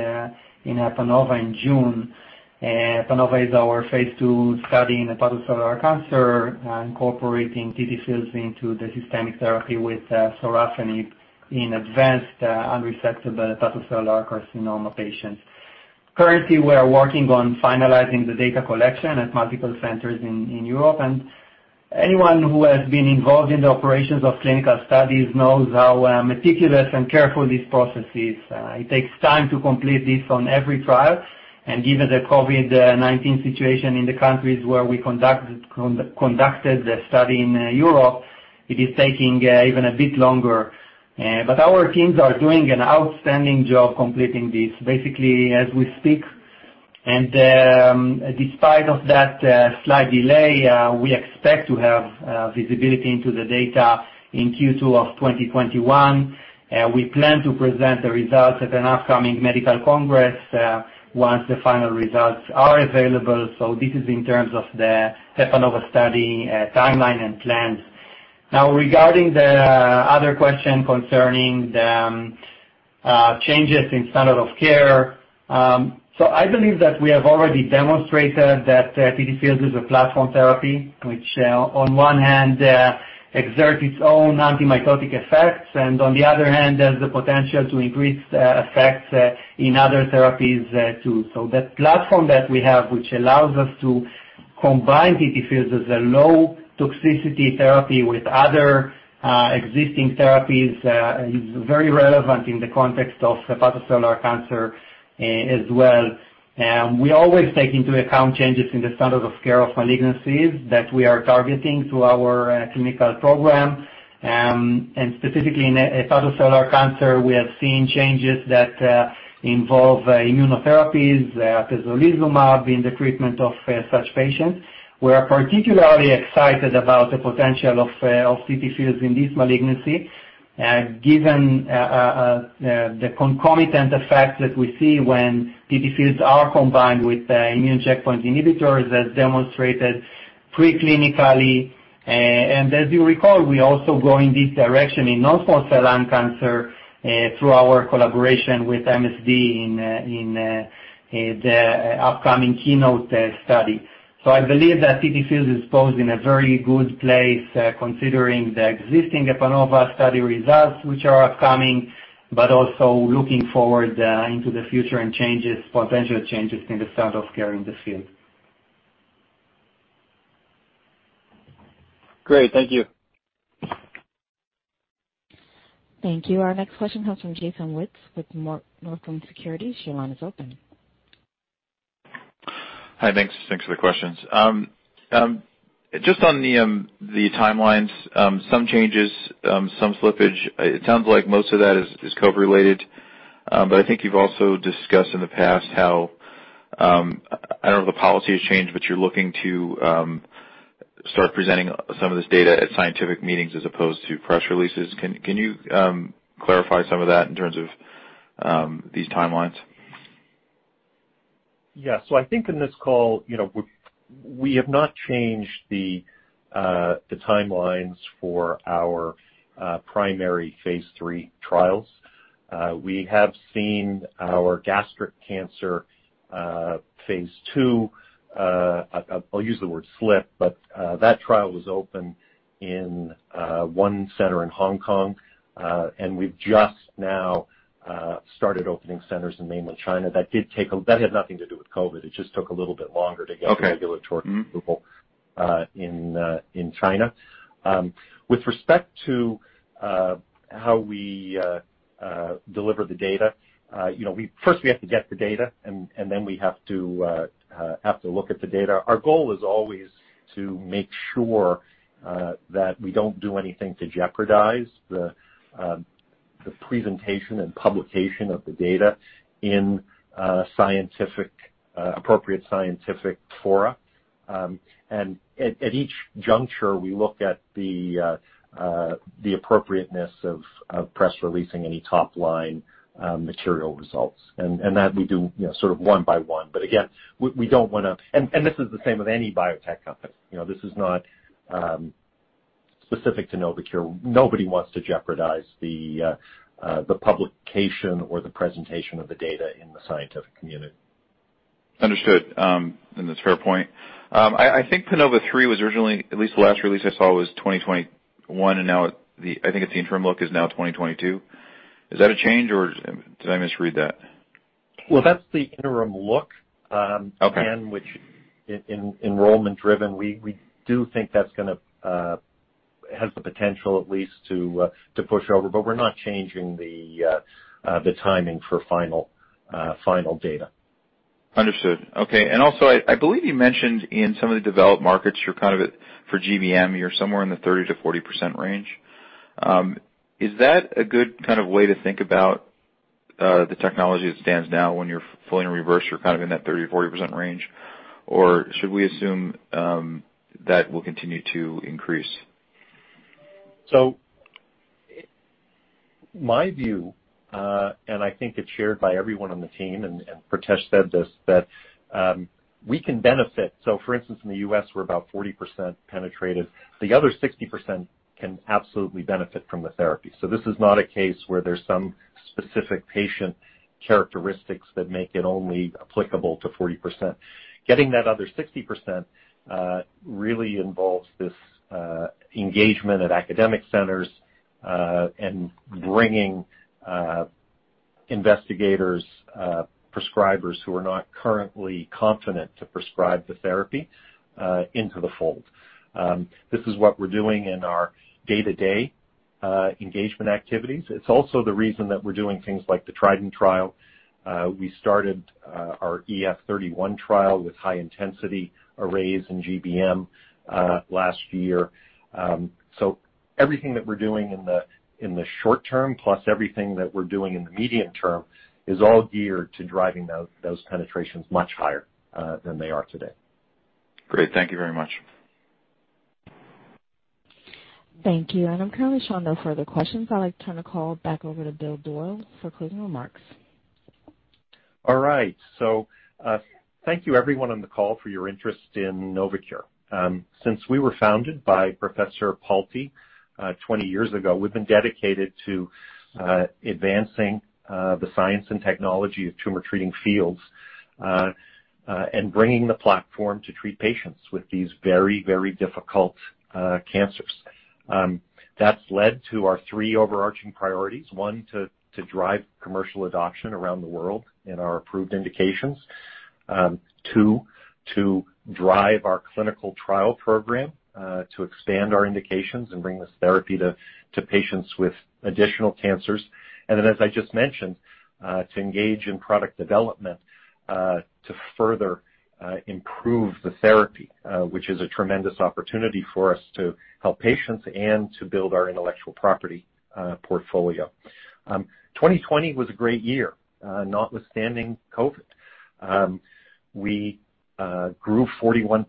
in HEPANOVA in June. HEPANOVA is our phase II study in hepatocellular cancer, incorporating TTFields into the systemic therapy with sorafenib in advanced unresectable hepatocellular carcinoma patients. Currently, we are working on finalizing the data collection at multiple centers in Europe, and anyone who has been involved in the operations of clinical studies knows how meticulous and careful this process is. It takes time to complete this on every trial, and given the COVID-19 situation in the countries where we conducted the study in Europe, it is taking even a bit longer, but our teams are doing an outstanding job completing this, basically, as we speak, and despite that slight delay, we expect to have visibility into the data in Q2 of 2021. We plan to present the results at an upcoming medical congress once the final results are available. This is in terms of the HEPANOVA study timeline and plans. Now, regarding the other question concerning the changes in standard of care, so I believe that we have already demonstrated that TTFields is a platform therapy, which on one hand exerts its own antitumor effects, and on the other hand, there's the potential to increase effects in other therapies too. The platform that we have, which allows us to combine TTFields as a low-toxicity therapy with other existing therapies, is very relevant in the context of hepatocellular cancer as well. We always take into account changes in the standard of care of malignancies that we are targeting through our clinical program. And specifically in hepatocellular cancer, we have seen changes that involve immunotherapies, pembrolizumab in the treatment of such patients. We are particularly excited about the potential of TTFields in this malignancy, given the concomitant effects that we see when TTFields are combined with immune checkpoint inhibitors, as demonstrated preclinically. And as you recall, we also go in this direction in non-small cell lung cancer through our collaboration with MSD in the upcoming KEYNOTE study. So I believe that TTFields is posing a very good place, considering the existing HEPANOVA study results, which are upcoming, but also looking forward into the future and potential changes in the standard of care in this field. Great. Thank you. Thank you. Our next question comes from Jason Wittes with Northland Securities. Your line is open. Hi, thanks. Thanks for the questions. Just on the timelines, some changes, some slippage. It sounds like most of that is COVID-related, but I think you've also discussed in the past how, I don't know if the policy has changed, but you're looking to start presenting some of this data at scientific meetings as opposed to press releases. Can you clarify some of that in terms of these timelines? Yeah, so I think in this call, we have not changed the timelines for our primary phase III trials. We have seen our gastric cancer phase II. I'll use the word slip, but that trial was open in one center in Hong Kong, and we've just now started opening centers in mainland China. That had nothing to do with COVID. It just took a little bit longer to get the regulatory approval in China. With respect to how we deliver the data, first, we have to get the data, and then we have to look at the data. Our goal is always to make sure that we don't do anything to jeopardize the presentation and publication of the data in appropriate scientific fora, and at each juncture, we look at the appropriateness of press releasing any top-line material results, and that we do sort of one by one. But again, we don't want to, and this is the same with any biotech company. This is not specific to Novocure. Nobody wants to jeopardize the publication or the presentation of the data in the scientific community. Understood, and that's a fair point. I think PANOVA-3 was originally, at least the last release I saw was 2021, and now I think the interim look is now 2022. Is that a change, or did I misread that? That's the interim look. Again, which enrollment-driven, we do think that's going to have the potential, at least, to push over, but we're not changing the timing for final data. Understood. Okay. And also, I believe you mentioned in some of the developed markets for GBM, you're somewhere in the 30%-40% range. Is that a good kind of way to think about the adoption that stands now when you're fully reimbursed? You're kind of in that 30%-40% range, or should we assume that will continue to increase? So my view, and I think it's shared by everyone on the team, and Pritesh said this, that we can benefit. So for instance, in the U.S., we're about 40% penetration. The other 60% can absolutely benefit from the therapy. So this is not a case where there's some specific patient characteristics that make it only applicable to 40%. Getting that other 60% really involves this engagement at academic centers and bringing investigators, prescribers who are not currently confident to prescribe the therapy into the fold. This is what we're doing in our day-to-day engagement activities. It's also the reason that we're doing things like the TRIDENT trial. We started our EF-31 trial with high-intensity arrays in GBM last year. Everything that we're doing in the short term, plus everything that we're doing in the medium term, is all geared to driving those penetrations much higher than they are today. Great. Thank you very much. Thank you. And I'm currently showing no further questions. I'd like to turn the call back over to Bill Doyle for closing remarks. All right, so thank you, everyone on the call, for your interest in Novocure. Since we were founded by Professor Palti 20 years ago, we've been dedicated to advancing the science and technology of Tumor Treating Fields and bringing the platform to treat patients with these very, very difficult cancers. That's led to our three overarching priorities: one, to drive commercial adoption around the world in our approved indications; two, to drive our clinical trial program to expand our indications and bring this therapy to patients with additional cancers; and then, as I just mentioned, to engage in product development to further improve the therapy, which is a tremendous opportunity for us to help patients and to build our intellectual property portfolio. 2020 was a great year, notwithstanding COVID. We grew 41%.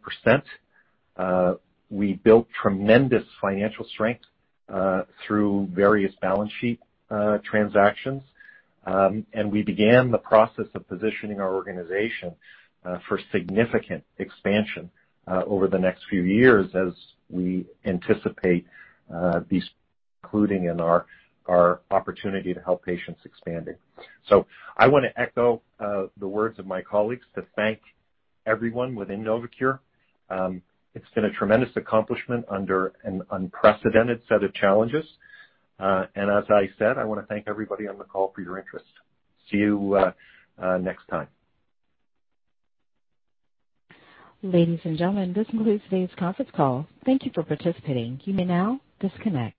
We built tremendous financial strength through various balance sheet transactions. We began the process of positioning our organization for significant expansion over the next few years, as we anticipate these including in our opportunity to help patients expanding. I want to echo the words of my colleagues to thank everyone within Novocure. It's been a tremendous accomplishment under an unprecedented set of challenges. As I said, I want to thank everybody on the call for your interest. See you next time. Ladies and gentlemen, this concludes today's conference call. Thank you for participating. You may now disconnect.